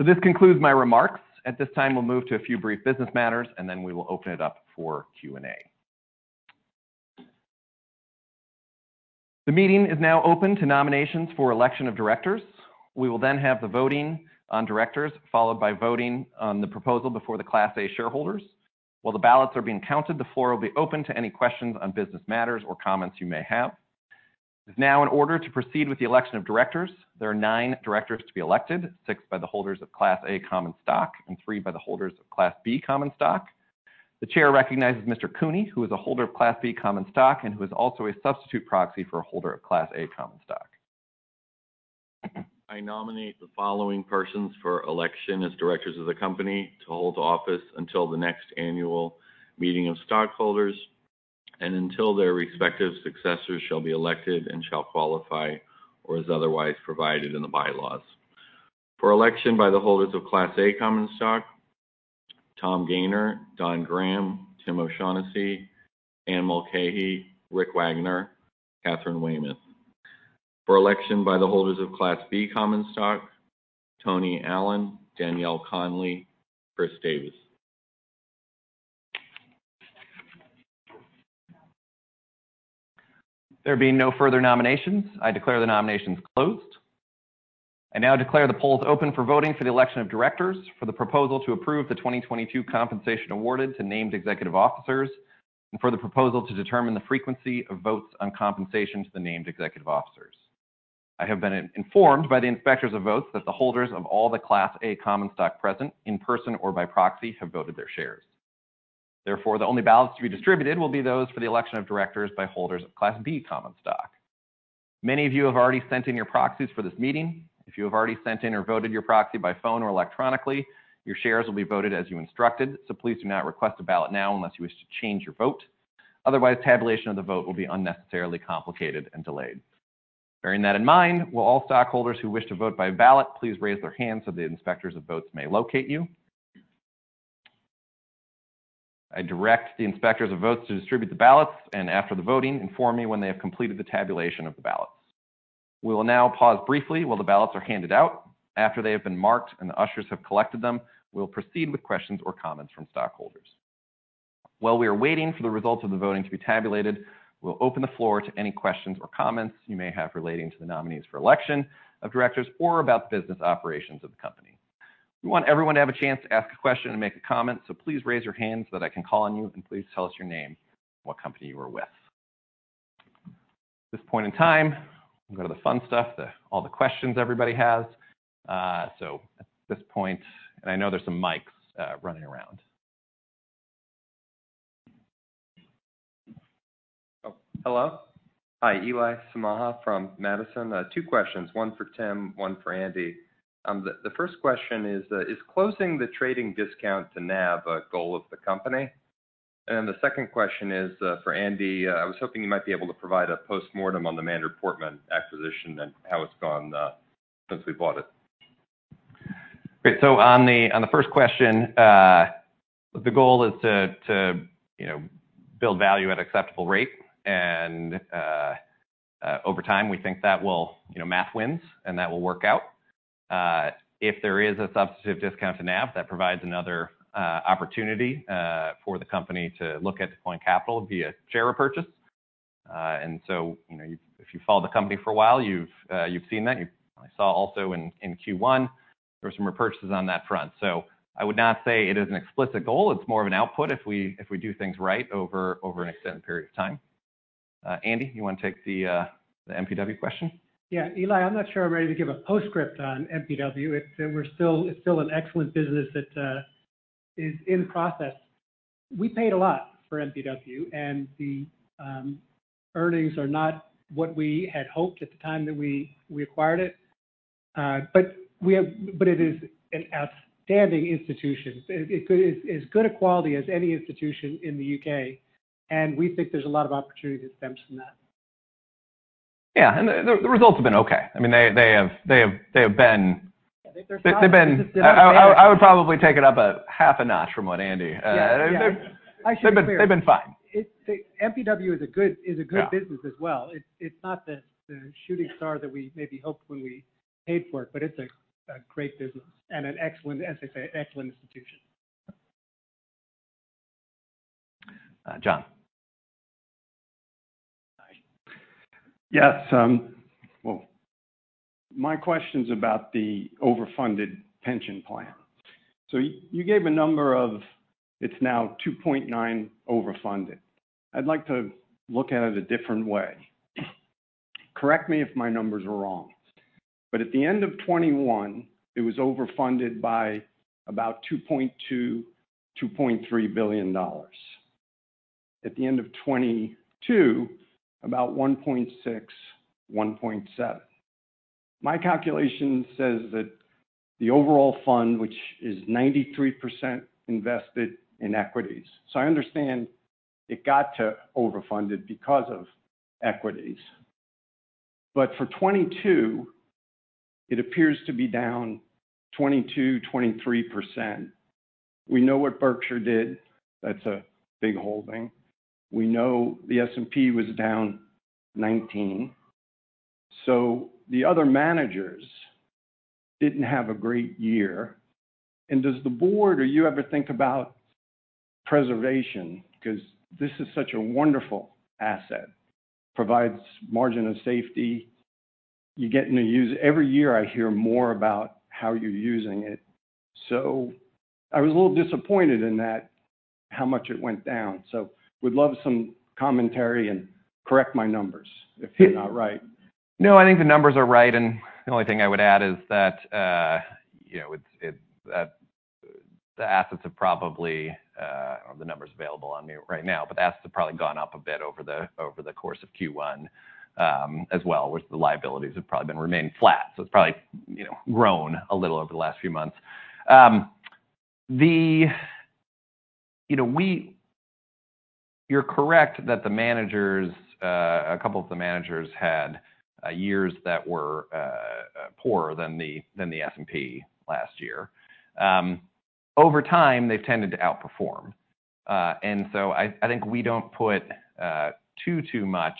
This concludes my remarks. At this time, we'll move to a few brief business matters, and then we will open it up for Q&A. The meeting is now open to nominations for election of directors. We will then have the voting on directors, followed by voting on the proposal before the Class A shareholders. While the ballots are being counted, the floor will be open to any questions on business matters or comments you may have. It is now in order to proceed with the election of directors. There are nine directors to be elected, six by the holders of Class A common stock and three by the holders of Class B common stock. The chair recognizes Mr. Cooney, who is a holder of Class B common stock and who is also a substitute proxy for a holder of Class A common stock. I nominate the following persons for election as directors of the company to hold office until the next annual meeting of stockholders and until their respective successors shall be elected and shall qualify or as otherwise provided in the bylaws. For election by the holders of Class A common stock, Tom Gayner, Don Graham, Tim O'Shaughnessy, Anne Mulcahy, Rick Wagoner, Katharine Weymouth. For election by the holders of Class B common stock, Tony Allen, Danielle Conley, Chris Davis. There being no further nominations, I declare the nominations closed. I now declare the polls open for voting for the election of directors for the proposal to approve the 2022 compensation awarded to named executive officers and for the proposal to determine the frequency of votes on compensation to the named executive officers. I have been informed by the inspectors of votes that the holders of all the Class A common stock present in person or by proxy have voted their shares. Therefore, the only ballots to be distributed will be those for the election of directors by holders of Class B common stock. Many of you have already sent in your proxies for this meeting. If you have already sent in or voted your proxy by phone or electronically, your shares will be voted as you instructed, so please do not request a ballot now unless you wish to change your vote. Tabulation of the vote will be unnecessarily complicated and delayed. Bearing that in mind, will all stockholders who wish to vote by ballot please raise their hand so the inspectors of votes may locate you. I direct the inspectors of votes to distribute the ballots, and after the voting, inform me when they have completed the tabulation of the ballots. We will now pause briefly while the ballots are handed out. After they have been marked and the ushers have collected them, we will proceed with questions or comments from stockholders. While we are waiting for the results of the voting to be tabulated, we'll open the floor to any questions or comments you may have relating to the nominees for election of directors or about the business operations of the company. We want everyone to have a chance to ask a question and make a comment, so please raise your hand so that I can call on you, and please tell us your name and what company you are with. At this point in time, we'll go to the fun stuff, all the questions everybody has. I know there's some mics running around. Oh, hello. Hi. Eli Samaha from Madison. Two questions. One for Tim, one for Andy. The first question is closing the trading discount to NAV a goal of the company? The second question is for Andy. I was hoping you might be able to provide a postmortem on the Mander Portman acquisition and how it's gone since we bought it. Great. On the first question, the goal is to, you know, build value at acceptable rate and over time, you know, math wins, and that will work out. If there is a substantive discount to NAV, that provides another opportunity for the company to look at deploying capital via share repurchase. You know, if you follow the company for a while, you've seen that. You probably saw also in Q1, there were some repurchases on that front. I would not say it is an explicit goal. It's more of an output if we do things right over an extended period of time. Andy, you wanna take the MPW question? Yeah. Eli, I'm not sure I'm ready to give a postscript on MPW. It's still an excellent business that is in process. We paid a lot for MPW, the earnings are not what we had hoped at the time that we acquired it. It is an outstanding institution. It as good a quality as any institution in the UK We think there's a lot of opportunity that stems from that. Yeah. The results have been okay. I mean. Yeah. I think there's. I would probably take it up a half a notch from what Andy. Yeah. Yeah. They've been fine. MPW is a good business as well. It's not the shooting star that we maybe hoped when we paid for it, but it's a great business and an excellent, as I say, excellent institution. John. Hi. Yes. Well, my question's about the overfunded pension plan. You gave a number of it's now $2.9 overfunded. I'd like to look at it a different way. Correct me if my numbers are wrong. At the end of 2021, it was overfunded by about $2.2 billion to $2.3 billion. At the end of 2022, about $1.6 billion to $1.7 billion. My calculation says that the overall fund, which is 93% invested in equities. I understand it got to overfunded because of equities. For 2022, it appears to be down 22% to 23%. We know what Berkshire did. That's a big holding. We know the S&P was down 19%. The other managers didn't have a great year. Does the board or you ever think about preservation? Because this is such a wonderful asset. Provides margin of safety. You're getting to use it. Every year I hear more about how you're using it. I was a little disappointed in that, how much it went down. Would love some commentary, and correct my numbers if they're not right. No, I think the numbers are right. The only thing I would add is that, you know, it's the assets have probably. I don't have the numbers available on me right now, but the assets have probably gone up a bit over the course of Q1 as well, whereas the liabilities have probably been remaining flat. It's probably, you know, grown a little over the last few months. You know, you're correct that the managers, a couple of the managers had years that were poorer than the S&P last year. Over time, they've tended to outperform. I think we don't put too much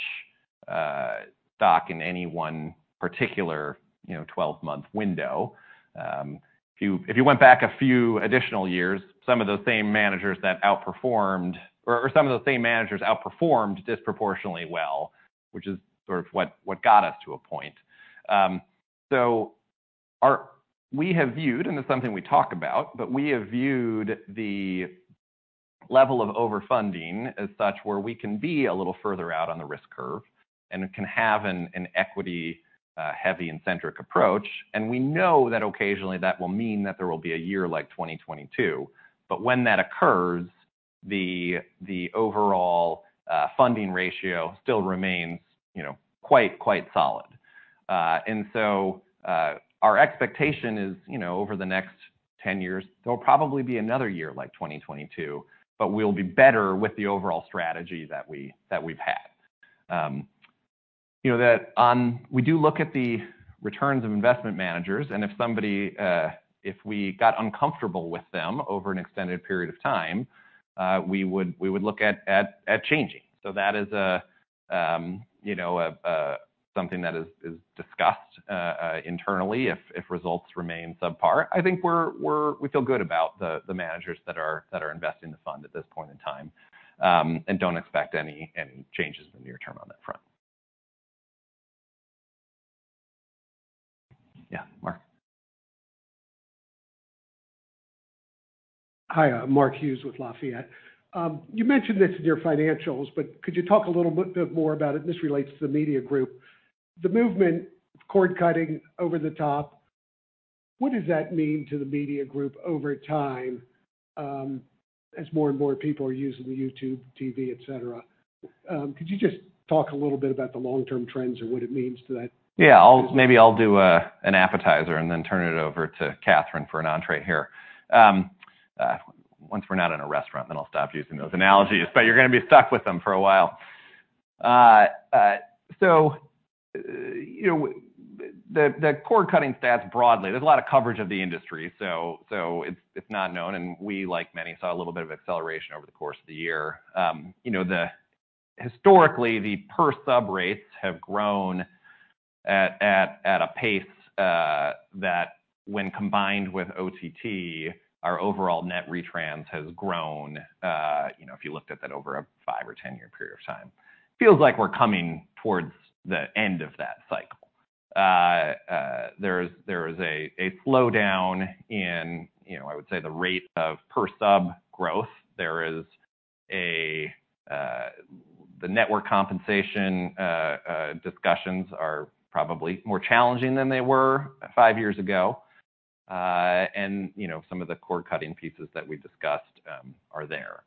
stock in any one particular, you know, 12-month window. If you went back a few additional years, some of those same managers that outperformed, or some of the same managers outperformed disproportionately well, which is what got us to a point. We have viewed, and it's something we talk about, but we have viewed the level of overfunding As such where we can be a little further out on the risk curve and can have an equity heavy and centric approach. We know that occasionally that will mean that there will be a year like 2022. When that occurs, the overall funding ratio still remains, you know, quite solid. Our expectation is, you know, over the next 10 years, there'll probably be another year like 2022, but we'll be better with the overall strategy that we've had. You know that We do look at the returns of investment managers and if somebody, if we got uncomfortable with them over an extended period of time, we would look at changing. That is a, you know, a something that is discussed internally if results remain subpar. I think we feel good about the managers that are investing the fund at this point in time, and don't expect any changes in the near term on that front. Yeah. Mark. Hi, Mark Hughes with Lafayette. You mentioned this in your financials, could you talk a little bit more about it? This relates to the Media Group. The movement, cord-cutting over the top, what does that mean to the Media Group over time, as more and more people are using the YouTube TV, et cetera? Could you just talk a little bit about the long-term trends and what it means to that? Yeah. Maybe I'll do an appetizer and then turn it over to Katharine for an entrée here. Once we're not in a restaurant, then I'll stop using those analogies, but you're gonna be stuck with them for a while. You know, the cord-cutting stats broadly, there's a lot of coverage of the industry, so it's not known. We, like many, saw a little bit of acceleration over the course of the year. You know, historically, the per sub rates have grown at a pace that when combined with OTT, our overall net retrans has grown, you know, if you looked at that over a five or 10-year period of time. Feels like we're coming towards the end of that cycle. There is a slowdown in, you know, I would say the rate of per sub growth. There is the network compensation discussions are probably more challenging than they were five years ago. You know, some of the cord-cutting pieces that we discussed are there.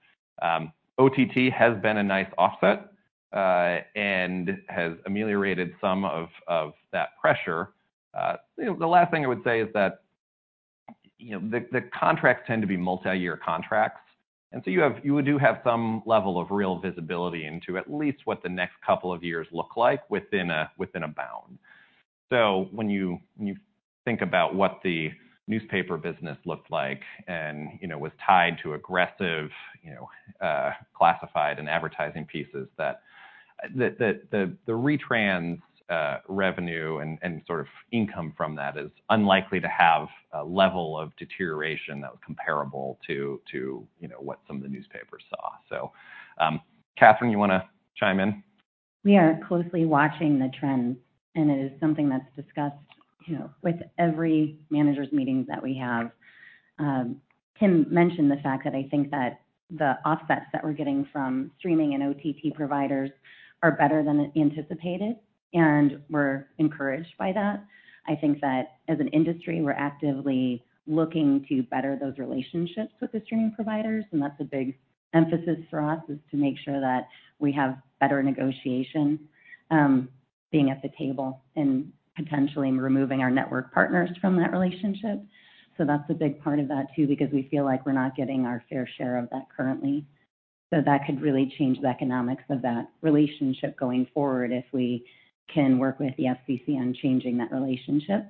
OTT has been a nice offset, and has ameliorated some of that pressure. You know, the last thing I would say is that, you know, the contracts tend to be multi-year contracts, and so you do have some level of real visibility into at least what the next couple of years look like within a bound. When you think about what the newspaper business looked like and, you know, was tied to aggressive, you know, classified and advertising pieces that the retrans, revenue and, sort of income from that is unlikely to have a level of deterioration that was comparable to, you know, what some of the newspapers saw. Katharine, you wanna chime in? We are closely watching the trends. It is something that's discussed, you know, with every managers meetings that we have. Tim mentioned the fact that I think that the offsets that we're getting from streaming and OTT providers are better than anticipated. We're encouraged by that. I think that as an industry, we're actively looking to better those relationships with the streaming providers. That's a big emphasis for us, is to make sure that we have better negotiation, being at the table and potentially removing our network partners from that relationship. That's a big part of that too, because we feel like we're not getting our fair share of that currently. That could really change the economics of that relationship going forward, if we can work with the FCC on changing that relationship.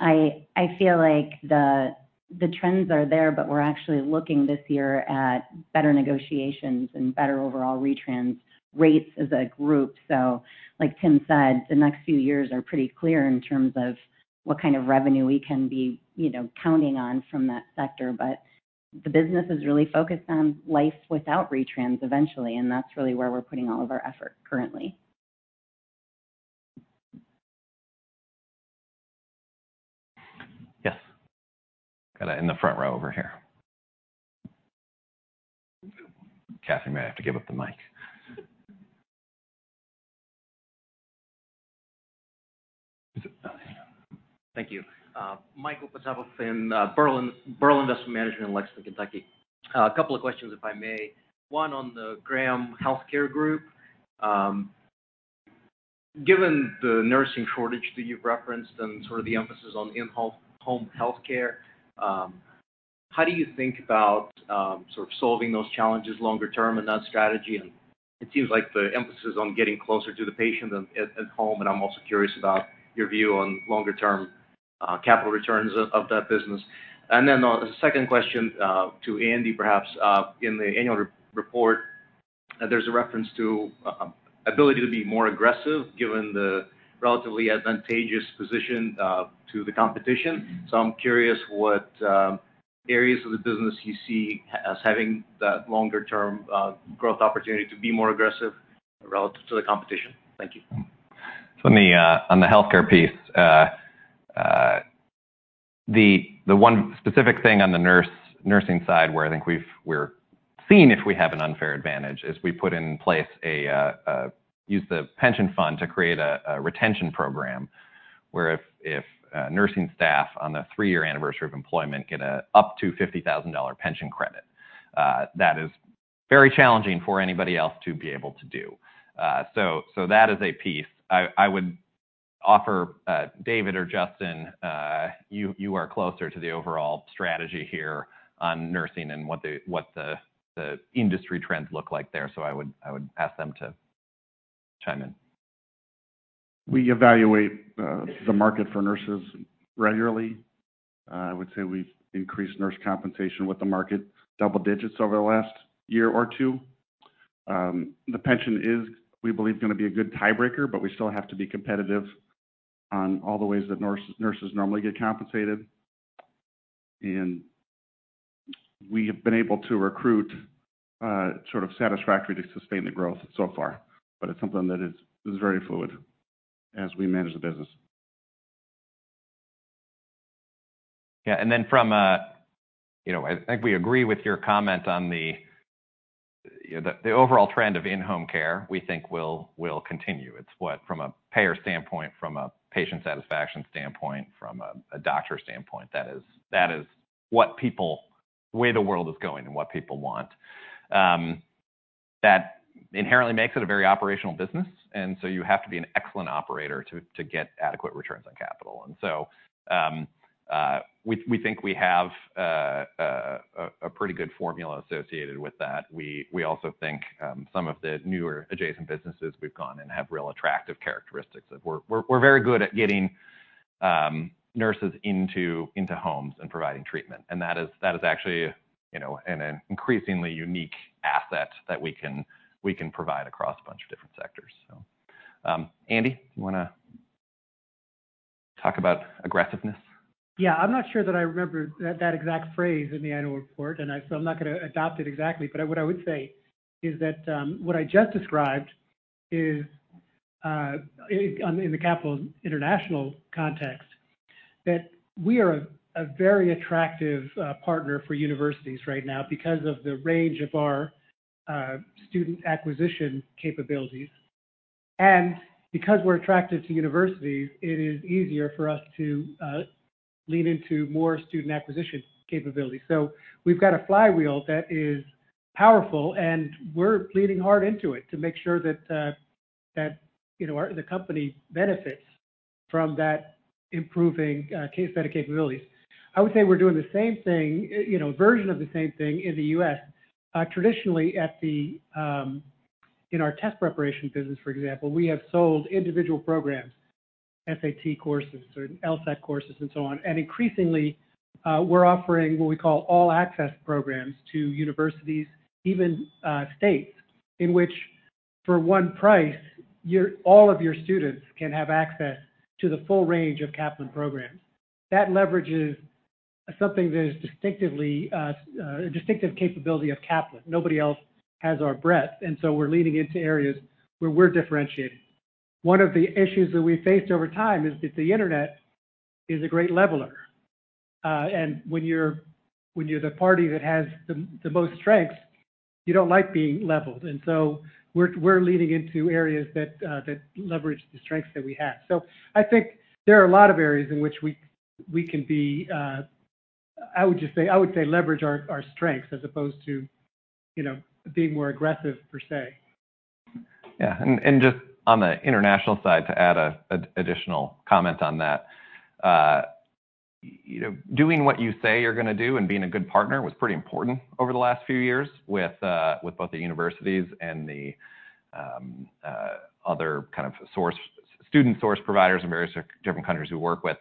I feel like the trends are there. We're actually looking this year at better negotiations and better overall retrans rates as a group. Like Tim said, the next few years are pretty clear in terms of what kind of revenue we can be, you know, counting on from that sector. The business is really focused on life without retrans eventually, and that's really where we're putting all of our effort currently. Yes. In the front row over here. Katharine, may I have to give up the mic. Thank you. Michael, in Burl Investment Management, LLC in Lexington, Kentucky. A couple of questions, if I may. One on the Graham Healthcare Group. Given the nursing shortage that you've referenced and sort of the emphasis on in-home healthcare, how do you think about sort of solving those challenges longer term in that strategy? It seems like the emphasis on getting closer to the patient at home, and I'm also curious about your view on longer term capital returns of that business. The second question to Andrew, perhaps. In the annual re-report, there's a reference to ability to be more aggressive given the relatively advantageous position to the competition. I'm curious what areas of the business you see as having that longer term growth opportunity to be more aggressive relative to the competition. Thank you. On the healthcare piece, the one specific thing on the nursing side where I think we're seeing if we have an unfair advantage, is we put in place a use the pension fund to create a retention program where if nursing staff on the three-year anniversary of employment get up to $50,000 pension credit, that is very challenging for anybody else to be able to do. That is a piece. I would offer David Curtis or Justin DeWitte, you are closer to the overall strategy here on nursing and what the industry trends look like there. I would ask them to chime in. We evaluate the market for nurses regularly. I would say we've increased nurse compensation with the market double digits over the last year or two. The pension is, we believe, gonna be a good tiebreaker, but we still have to be competitive on all the ways that nurses normally get compensated. We have been able to recruit, sort of satisfactory to sustain the growth so far. It's something that is very fluid as we manage the business. Yeah. You know, I think we agree with your comment on the overall trend of in-home care, we think will continue. It's what from a payer standpoint, from a patient satisfaction standpoint, from a doctor standpoint, that is what people the way the world is going and what people want. That inherently makes it a very operational business, and so you have to be an excellent operator to get adequate returns on capital. We think we have a pretty good formula associated with that. We also think some of the newer adjacent businesses we've gone and have real attractive characteristics of. We're very good at getting nurses into homes and providing treatment. That is actually, you know, an increasingly unique asset that we can provide across a bunch of different sectors, so. Andy, you wanna talk about aggressiveness? Yeah. I'm not sure that I remember that exact phrase in the annual report. I'm not gonna adopt it exactly. What I would say is that what I just described is in the Kaplan International's context, that we are a very attractive partner for universities right now because of the range of our student acquisition capabilities. Because we're attractive to universities, it is easier for us to lean into more student acquisition capabilities. We've got a flywheel that is powerful, and we're leaning hard into it to make sure that the company benefits from that improving case set of capabilities. I would say we're doing the same thing, you know, version of the same thing in the US. Traditionally, at the in our test preparation business, for example, we have sold individual programs, SAT courses or LSAT courses and so on. Increasingly, we're offering what we call all-access programs to universities, even states, in which for one price, all of your students can have access to the full range of Kaplan programs. That leverage is something that is distinctively a distinctive capability of Kaplan. Nobody else has our breadth, so we're leaning into areas where we're differentiating. One of the issues that we faced over time is that the internet is a great leveler. When you're the party that has the most strengths, you don't like being leveled. So we're leaning into areas that leverage the strengths that we have. I think there are a lot of areas in which we can be, I would just say leverage our strengths as opposed to, you know, being more aggressive per se. Yeah. Just on the international side, to add an additional comment on that. You know, doing what you say you're gonna do and being a good partner was pretty important over the last few years with both the universities and the other kind of student source providers in various different countries we work with.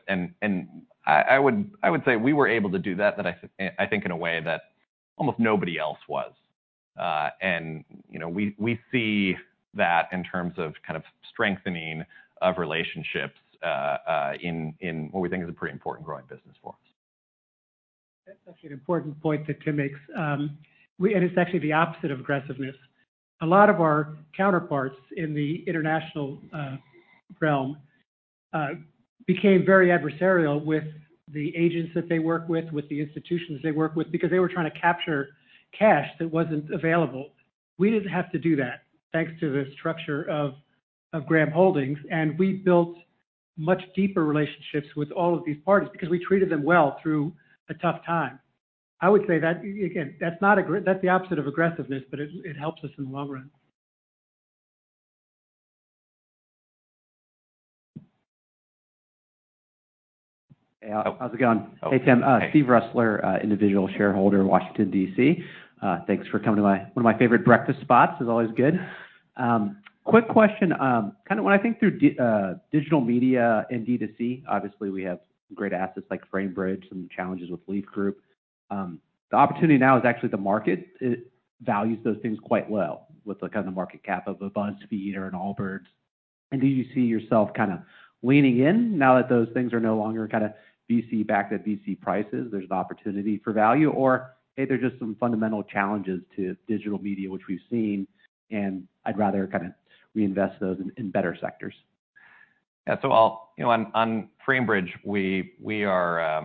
I would, I would say we were able to do that I think in a way that almost nobody else was. You know, we see that in terms of kind of strengthening of relationships in what we think is a pretty important growing business for us. That's actually an important point that Tim makes. It's actually the opposite of aggressiveness. A lot of our counterparts in the international realm became very adversarial with the agents that they work with the institutions they work with because they were trying to capture cash that wasn't available. We didn't have to do that, thanks to the structure of Graham Holdings, and we built much deeper relationships with all of these parties because we treated them well through a tough time. I would say that, again, that's not that's the opposite of aggressiveness, but it helps us in the long run. Hey, how's it going? Oh. Hey. Hey, Tim. Steve Ressler, individual shareholder in Washington, D.C. Thanks for coming to one of my favorite breakfast spots. It's always good. Quick question. Kinda when I think through digital media and D2C, obviously we have great assets like Framebridge and the challenges with Leaf Group. The opportunity now is actually the market. It values those things quite well with the kind of market cap of a BuzzFeed or an Allbirds. Do you see yourself kinda leaning in now that those things are no longer kinda VC-backed at VC prices, there's an opportunity for value? A, there are just some fundamental challenges to digital media which we've seen, and I'd rather kinda reinvest those in better sectors. Yeah. You know, on Framebridge, we are,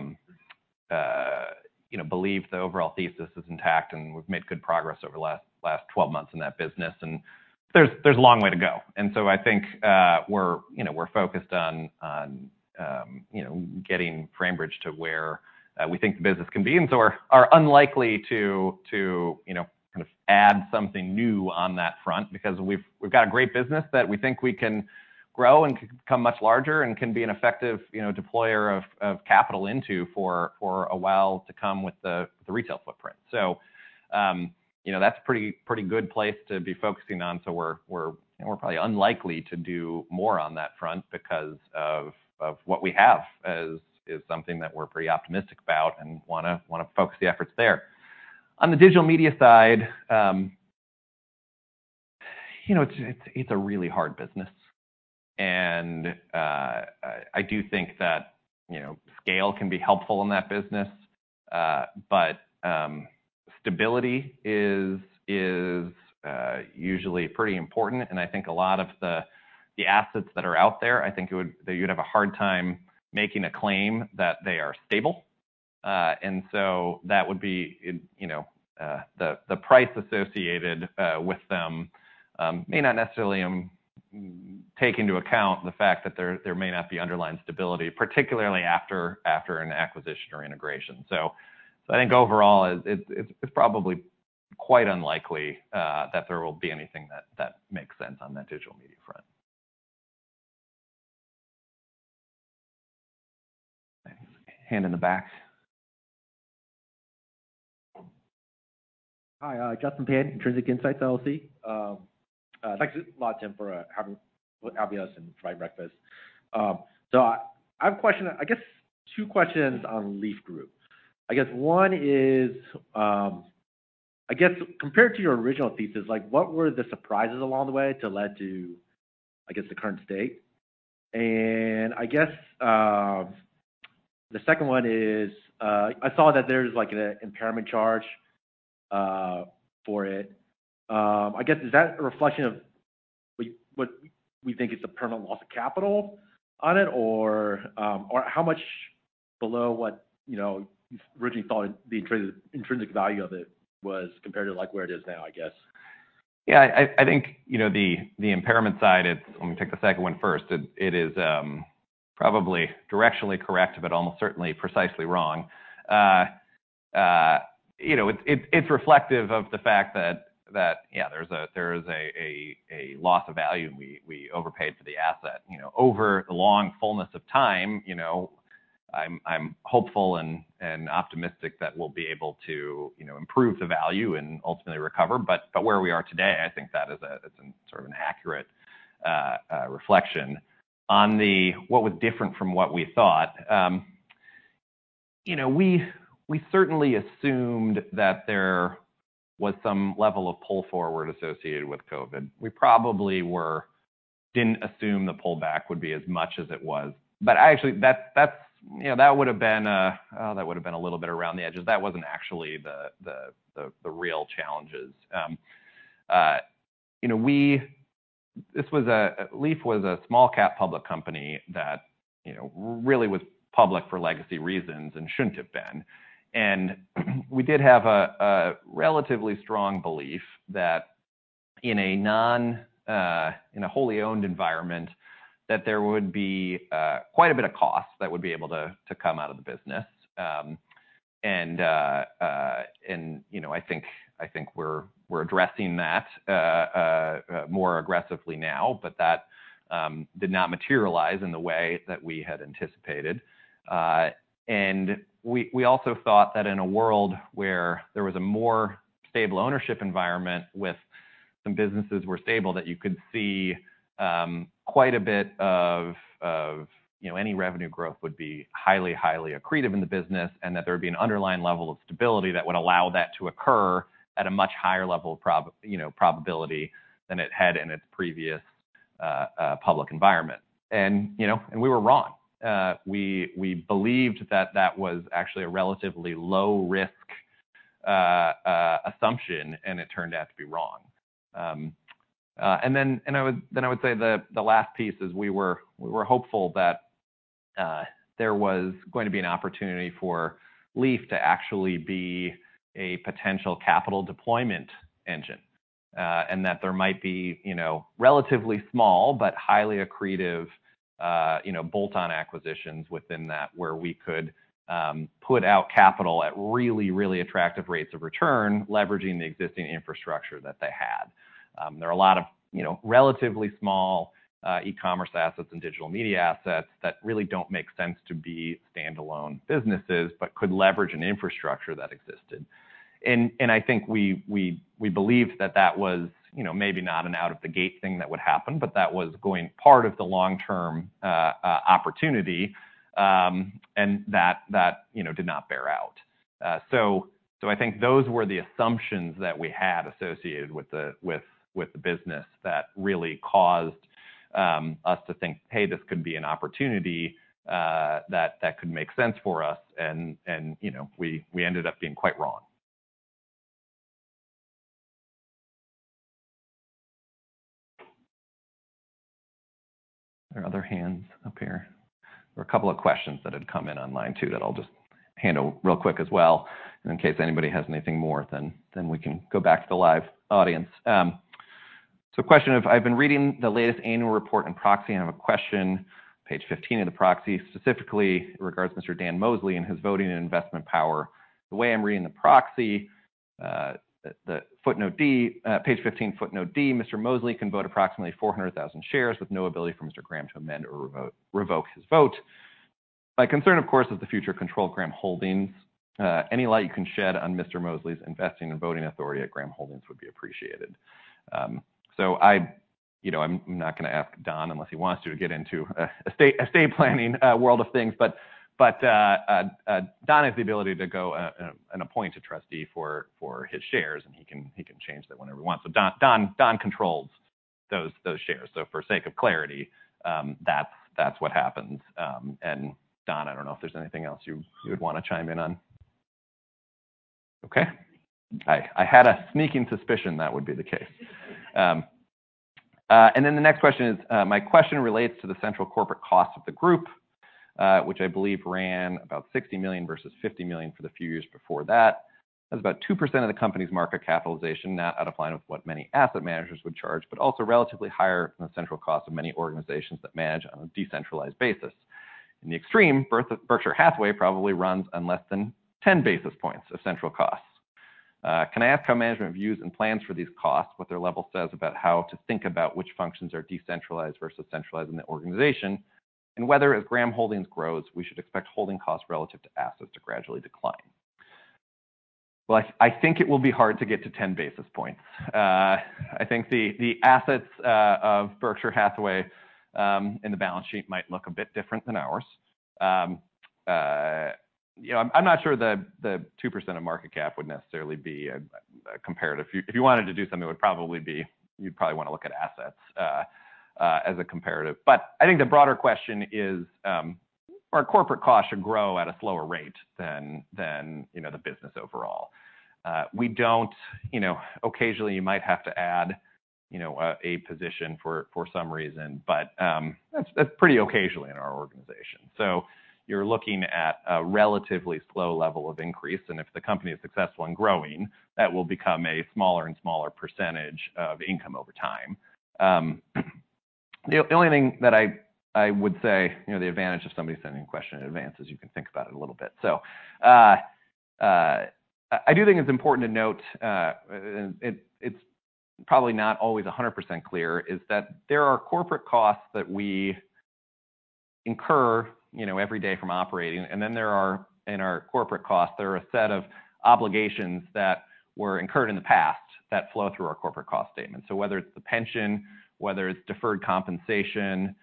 you know, believe the overall thesis is intact, and we've made good progress over the last 12 months in that business. There's a long way to go. I think, we're, you know, we're focused on, you know, getting Framebridge to where we think the business can be and so are unlikely to, you know, kind of add something new on that front because we've got a great business that we think we can grow and become much larger and can be an effective, you know, deployer of capital into for a while to come with the retail footprint. You know, that's pretty good place to be focusing on. We're probably unlikely to do more on that front because of what we have as is something that we're pretty optimistic about and wanna focus the efforts there. On the digital media side, you know, it's a really hard business. I do think that, you know, scale can be helpful in that business. Stability is usually pretty important. I think a lot of the assets that are out there, that you'd have a hard time making a claim that they are stable. That would be in, you know, the price associated with them, may not necessarily take into account the fact that there may not be underlying stability, particularly after an acquisition or integration. I think overall, it's probably quite unlikely that there will be anything that makes sense on that digital media front. Hand in the back. Hi, Justin Pan, Intrinsic Insights LLC. Thanks a lot, Tim, for letting us have this breakfast. I have a question. I guess two questions on Leaf Group. I guess one is, I guess compared to your original thesis, like what were the surprises along the way to led to, I guess, the current state? I guess, the second one is, I saw that there's like an impairment charge for it. I guess, is that a reflection of what we think it's a permanent loss of capital on it? Or, or how much below what, you know, you originally thought the intrinsic value of it was compared to like where it is now, I guess? Yeah. I think, you know, the impairment side. Let me take the second one first. It is probably directionally correct, but almost certainly precisely wrong. You know, it's reflective of the fact that, yeah, there is a loss of value and we overpaid for the asset. You know, over the long fullness of time, you know, I'm hopeful and optimistic that we'll be able to, you know, improve the value and ultimately recover. Where we are today, I think that it's an sort of an accurate reflection. On the what was different from what we thought, you know, we certainly assumed that there was some level of pull forward associated with COVID. We probably didn't assume the pullback would be as much as it was. Actually that's, you know, that would've been a little bit around the edges. That wasn't actually the real challenges. You know, Leaf was a small-cap public company that, you know, really was public for legacy reasons and shouldn't have been. We did have a relatively strong belief that in a non, in a wholly owned environment, that there would be quite a bit of cost that would be able to come out of the business. You know, I think we're addressing that more aggressively now, but that did not materialize in the way that we had anticipated. We also thought that in a world where there was a more stable ownership environment with some businesses were stable, that you could see quite a bit of, you know, any revenue growth would be highly accretive in the business, and that there would be an underlying level of stability that would allow that to occur at a much higher level of you know, probability than it had in its previous public environment. You know, and we were wrong. We believed that that was actually a relatively low risk assumption, and it turned out to be wrong. Then I would say the last piece is we were hopeful that there was going to be an opportunity for Leaf to actually be a potential capital deployment engine, and that there might be, you know, relatively small but highly accretive, you know, bolt-on acquisitions within that where we could put out capital at really, really attractive rates of return, leveraging the existing infrastructure that they had. There are a lot of, you know, relatively small e-commerce assets and digital media assets that really don't make sense to be standalone businesses, but could leverage an infrastructure that existed. I think we believed that that was, you know, maybe not an out of the gate thing that would happen, but that was going part of the long-term opportunity, and that, you know, did not bear out. I think those were the assumptions that we had associated with the business that really caused us to think, "Hey, this could be an opportunity that could make sense for us. You know, we ended up being quite wrong. Are there other hands up here? There were a couple of questions that had come in online too that I'll just handle real quick as well. In case anybody has anything more, then we can go back to the live audience. Question of, I've been reading the latest annual report in proxy, and I have a question, page 15 of the proxy, specifically in regards to Mr. Dan Mosley and his voting and investment power. The way I'm reading the proxy, the footnote d, page 15, footnote d, Mr. Mosley can vote approximately 400,000 shares with no ability for Mr. Graham to amend or revoke his vote. My concern, of course, is the future control of Graham Holdings. Any light you can shed on Mr. Mosley's investing and voting authority at Graham Holdings would be appreciated. I, you know, I'm not gonna ask Don unless he wants to get into estate planning world of things, but Don has the ability to go and appoint a trustee for his shares, and he can change that whenever he wants. Don controls those shares. For sake of clarity, that's what happens. Don, I don't know if there's anything else you would wanna chime in on. Okay. I had a sneaking suspicion that would be the case. Then the next question is, my question relates to the central corporate costs of the group, which I believe ran about $60 million versus $50 million for the few years before that. That's about 2% of the company's market capitalization, not out of line with what many asset managers would charge, also relatively higher than the central cost of many organizations that manage on a decentralized basis. In the extreme, Berkshire Hathaway probably runs on less than 10 basis points of central costs. Can I ask how management views and plans for these costs, what their level says about how to think about which functions are decentralized versus centralized in the organization, whether as Graham Holdings grows, we should expect holding costs relative to assets to gradually decline? Well, I think it will be hard to get to 10 basis points. I think the assets of Berkshire Hathaway in the balance sheet might look a bit different than ours. You know, I'm not sure the 2% of market cap would necessarily be a comparative. If you wanted to do something, it would probably be, you'd probably wanna look at assets as a comparative. I think the broader question is, our corporate costs should grow at a slower rate than, you know, the business overall. We don't. You know, occasionally you might have to add, you know, a position for some reason, but that's pretty occasionally in our organization. You're looking at a relatively slow level of increase, and if the company is successful in growing, that will become a smaller and smaller percentage of income over time. The only thing that I would say, you know, the advantage of somebody sending a question in advance is you can think about it a little bit. I do think it's important to note, and it's probably not always 100% clear, is that there are corporate costs that we incur, you know, every day from operating. There are, in our corporate costs, there are a set of obligations that were incurred in the past that flow through our corporate cost statement. Whether it's the pension, whether it's deferred compensation,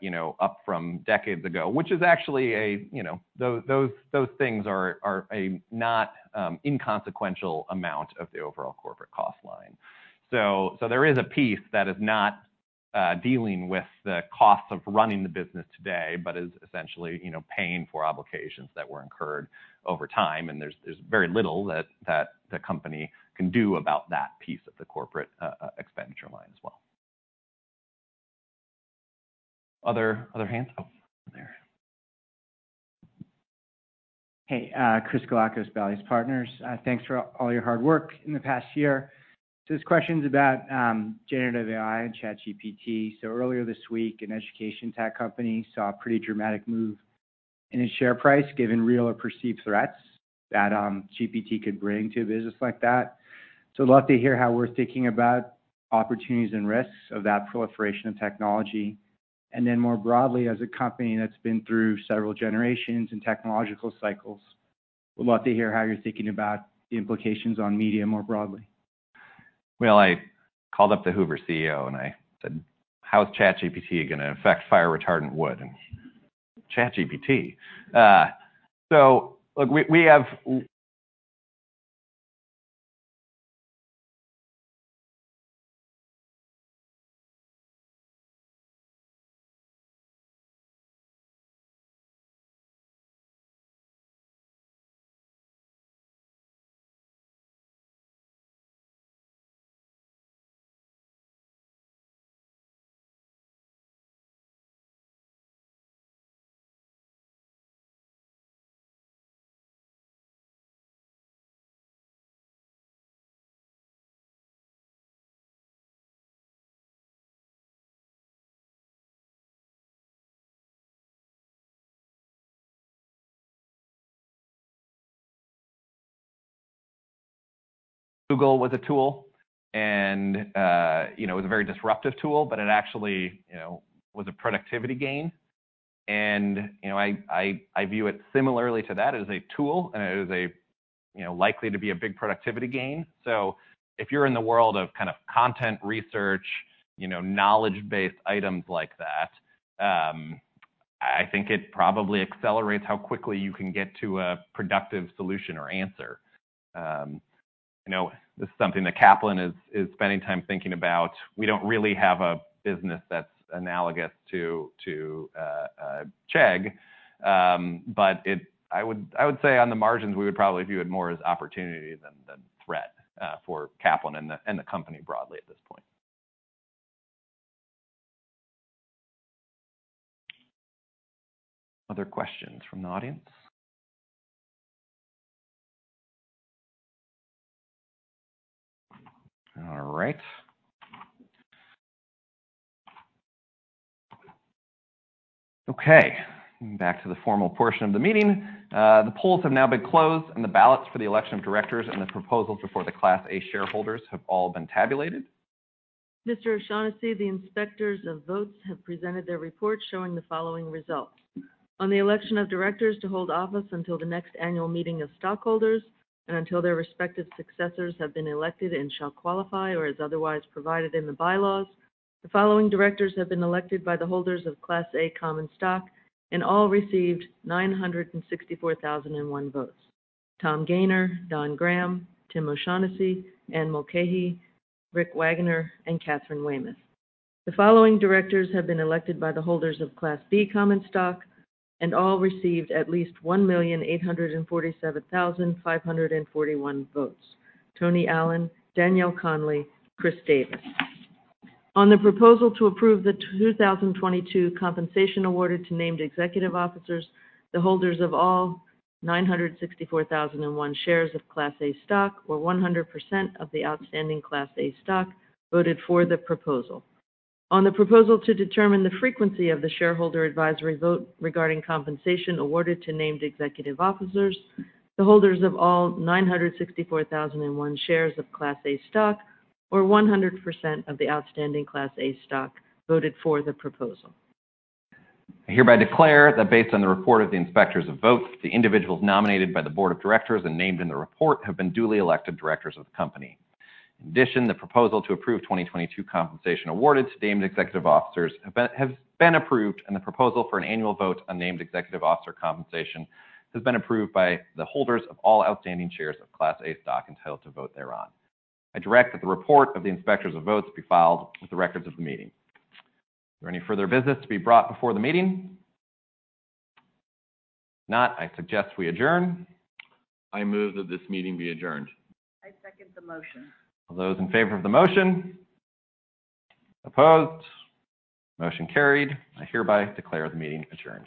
you know, up from decades ago, which is actually a, you know, those things are not an inconsequential amount of the overall corporate cost line. There is a piece that is not dealing with the cost of running the business today, but is essentially, you know, paying for obligations that were incurred over time, and there's very little that the company can do about that piece of the corporate expenditure line as well. Other hands? Oh, there. Hey, Chris Galakos, Valius Partners. Thanks for all your hard work in the past year. This question's about generative AI and ChatGPT. Earlier this week, an education tech company saw a pretty dramatic move in its share price given real or perceived threats that GPT could bring to a business like that. I'd love to hear how we're thinking about opportunities and risks of that proliferation of technology. More broadly, as a company that's been through several generations and technological cycles, would love to hear how you're thinking about the implications on media more broadly. Well, I called up the Hoover CEO, and I said, "How is ChatGPT gonna affect fire retardant wood?" ChatGPT? Look, other questions from the audience? All right. Okay, back to the formal portion of the meeting. The polls have now been closed, and the ballots for the election of directors and the proposals before the Class A shareholders have all been tabulated. Mr. O'Shaughnessy, the inspectors of votes have presented their report showing the following results. On the election of directors to hold office until the next annual meeting of stockholders and until their respective successors have been elected and shall qualify or as otherwise provided in the bylaws, the following directors have been elected by the holders of Class A common stock and all received 964,001 votes. Tom Gayner, Donald Graham, Tim O'Shaughnessy, Anne M. Mulcahy, G. Richard Wagoner Jr., and Katharine Weymouth. The following directors have been elected by the holders of Class B common stock and all received at least 1,847,541 votes. Tony Allen, Danielle Conley, Christopher C. Davis. On the proposal to approve the 2022 compensation awarded to named executive officers, the holders of all 964,001 shares of Class A stock, or 100% of the outstanding Class A stock, voted for the proposal. On the proposal to determine the frequency of the shareholder advisory vote regarding compensation awarded to named executive officers, the holders of all 964,001 shares of Class A stock, or 100% of the outstanding Class A stock, voted for the proposal. I hereby declare that based on the report of the inspectors of votes, the individuals nominated by the board of directors and named in the report have been duly elected directors of the company. In addition, the proposal to approve 2022 compensation awarded to named executive officers have been approved, And the proposal for an annual vote on named executive officer compensation has been approved by the holders of all outstanding shares of Class A stock entitled to vote thereon. I direct that the report of the inspectors of votes be filed with the records of the meeting. Are there any further business to be brought before the meeting? If not, I suggest we adjourn. I move that this meeting be adjourned. I second the motion. All those in favor of the motion? Opposed? Motion carried. I hereby declare the meeting adjourned.